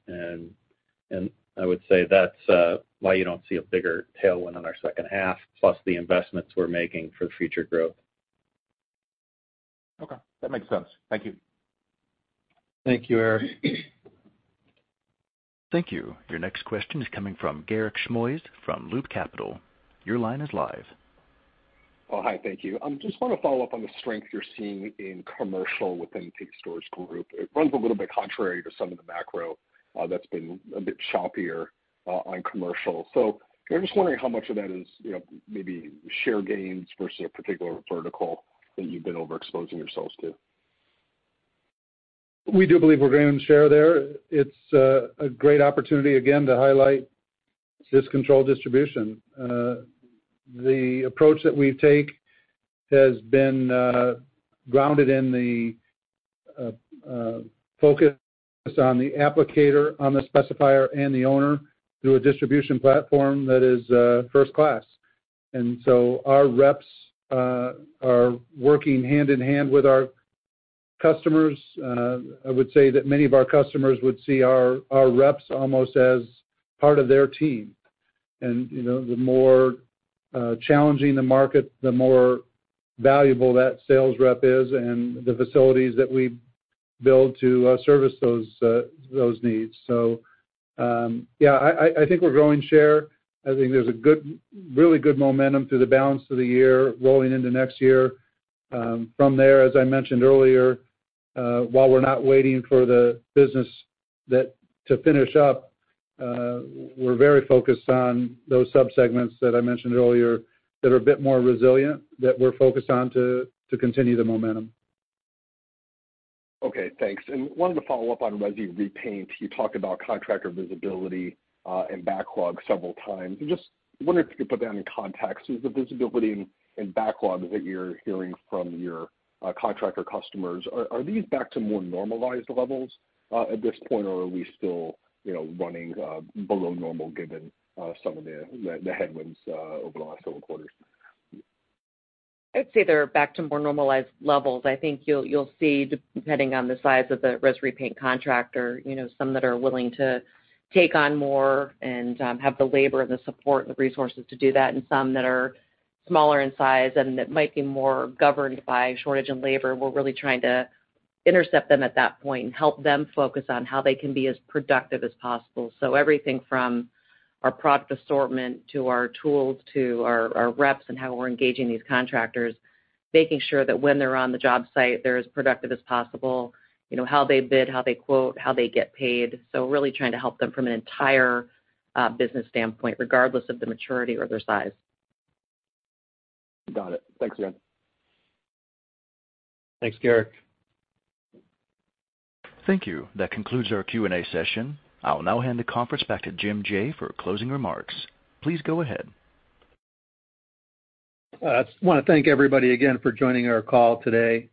I would say that's, why you don't see a bigger tailwind on our second half, plus the investments we're making for future growth. Okay, that makes sense. Thank you. Thank you, Eric. Thank you. Your next question is coming from Garik Shmois from Loop Capital. Your line is live. Oh, hi. Thank you. I just want to follow up on the strength you're seeing in commercial within the Paint Stores Group. It runs a little bit contrary to some of the macro, that's been a bit choppier, on commercial. I'm just wondering how much of that is, you know, maybe share gains versus a particular vertical that you've been overexposing yourselves to? We do believe we're gaining share there. It's a great opportunity, again, to highlight this controlled distribution. The approach that we take has been grounded in the focus on the applicator, on the specifier, and the owner through a distribution platform that is first class. Our reps are working hand in hand with our customers. I would say that many of our customers would see our reps almost as part of their team. You know, the more challenging the market, the more valuable that sales rep is and the facilities that we build to service those needs. Yeah, I think we're growing share. I think there's a good, really good momentum through the balance of the year rolling into next year. From there, as I mentioned earlier, while we're not waiting for the business that to finish up, we're very focused on those subsegments that I mentioned earlier, that are a bit more resilient, that we're focused on to continue the momentum. Okay, thanks. Wanted to follow up on resi repaint. You talked about contractor visibility and backlog several times. Just wondering if you could put that in context. Is the visibility and backlog that you're hearing from your contractor customers, are these back to more normalized levels at this point? Or are we still, you know, running below normal, given some of the headwinds over the last several quarters? I'd say they're back to more normalized levels. I think you'll see, depending on the size of the resi repaint contractor, you know, some that are willing to take on more and have the labor and the support and the resources to do that, and some that are smaller in size and that might be more governed by shortage in labor. We're really trying to intercept them at that point and help them focus on how they can be as productive as possible. Everything from our product assortment, to our tools, to our reps, and how we're engaging these contractors, making sure that when they're on the job site, they're as productive as possible. You know, how they bid, how they quote, how they get paid. Really trying to help them from an entire business standpoint, regardless of the maturity or their size. Got it. Thanks, again. Thanks, Garik. Thank you. That concludes our Q&A session. I'll now hand the conference back to Jim Jaye for closing remarks. Please go ahead. I just wanna thank everybody again for joining our call today.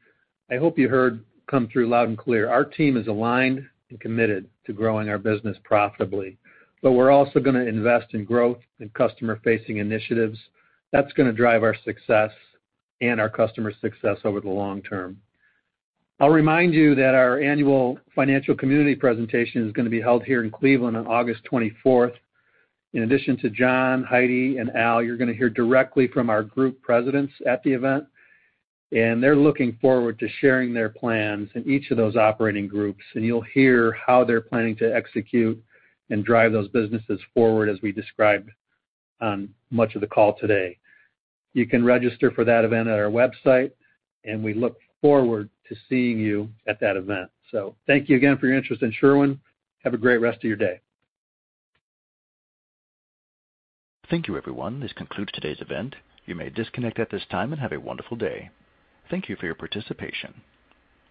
I hope you heard come through loud and clear. Our team is aligned and committed to growing our business profitably. We're also gonna invest in growth and customer-facing initiatives. That's gonna drive our success and our customer success over the long term. I'll remind you that our annual financial community presentation is gonna be held here in Cleveland on August 24th. In addition to John, Heidi, and Al, you're gonna hear directly from our group presidents at the event. They're looking forward to sharing their plans in each of those operating groups. You'll hear how they're planning to execute and drive those businesses forward, as we described on much of the call today. You can register for that event at our website, and we look forward to seeing you at that event. Thank you again for your interest in Sherwin-Williams. Have a great rest of your day. Thank you, everyone. This concludes today's event. You may disconnect at this time and have a wonderful day. Thank you for your participation.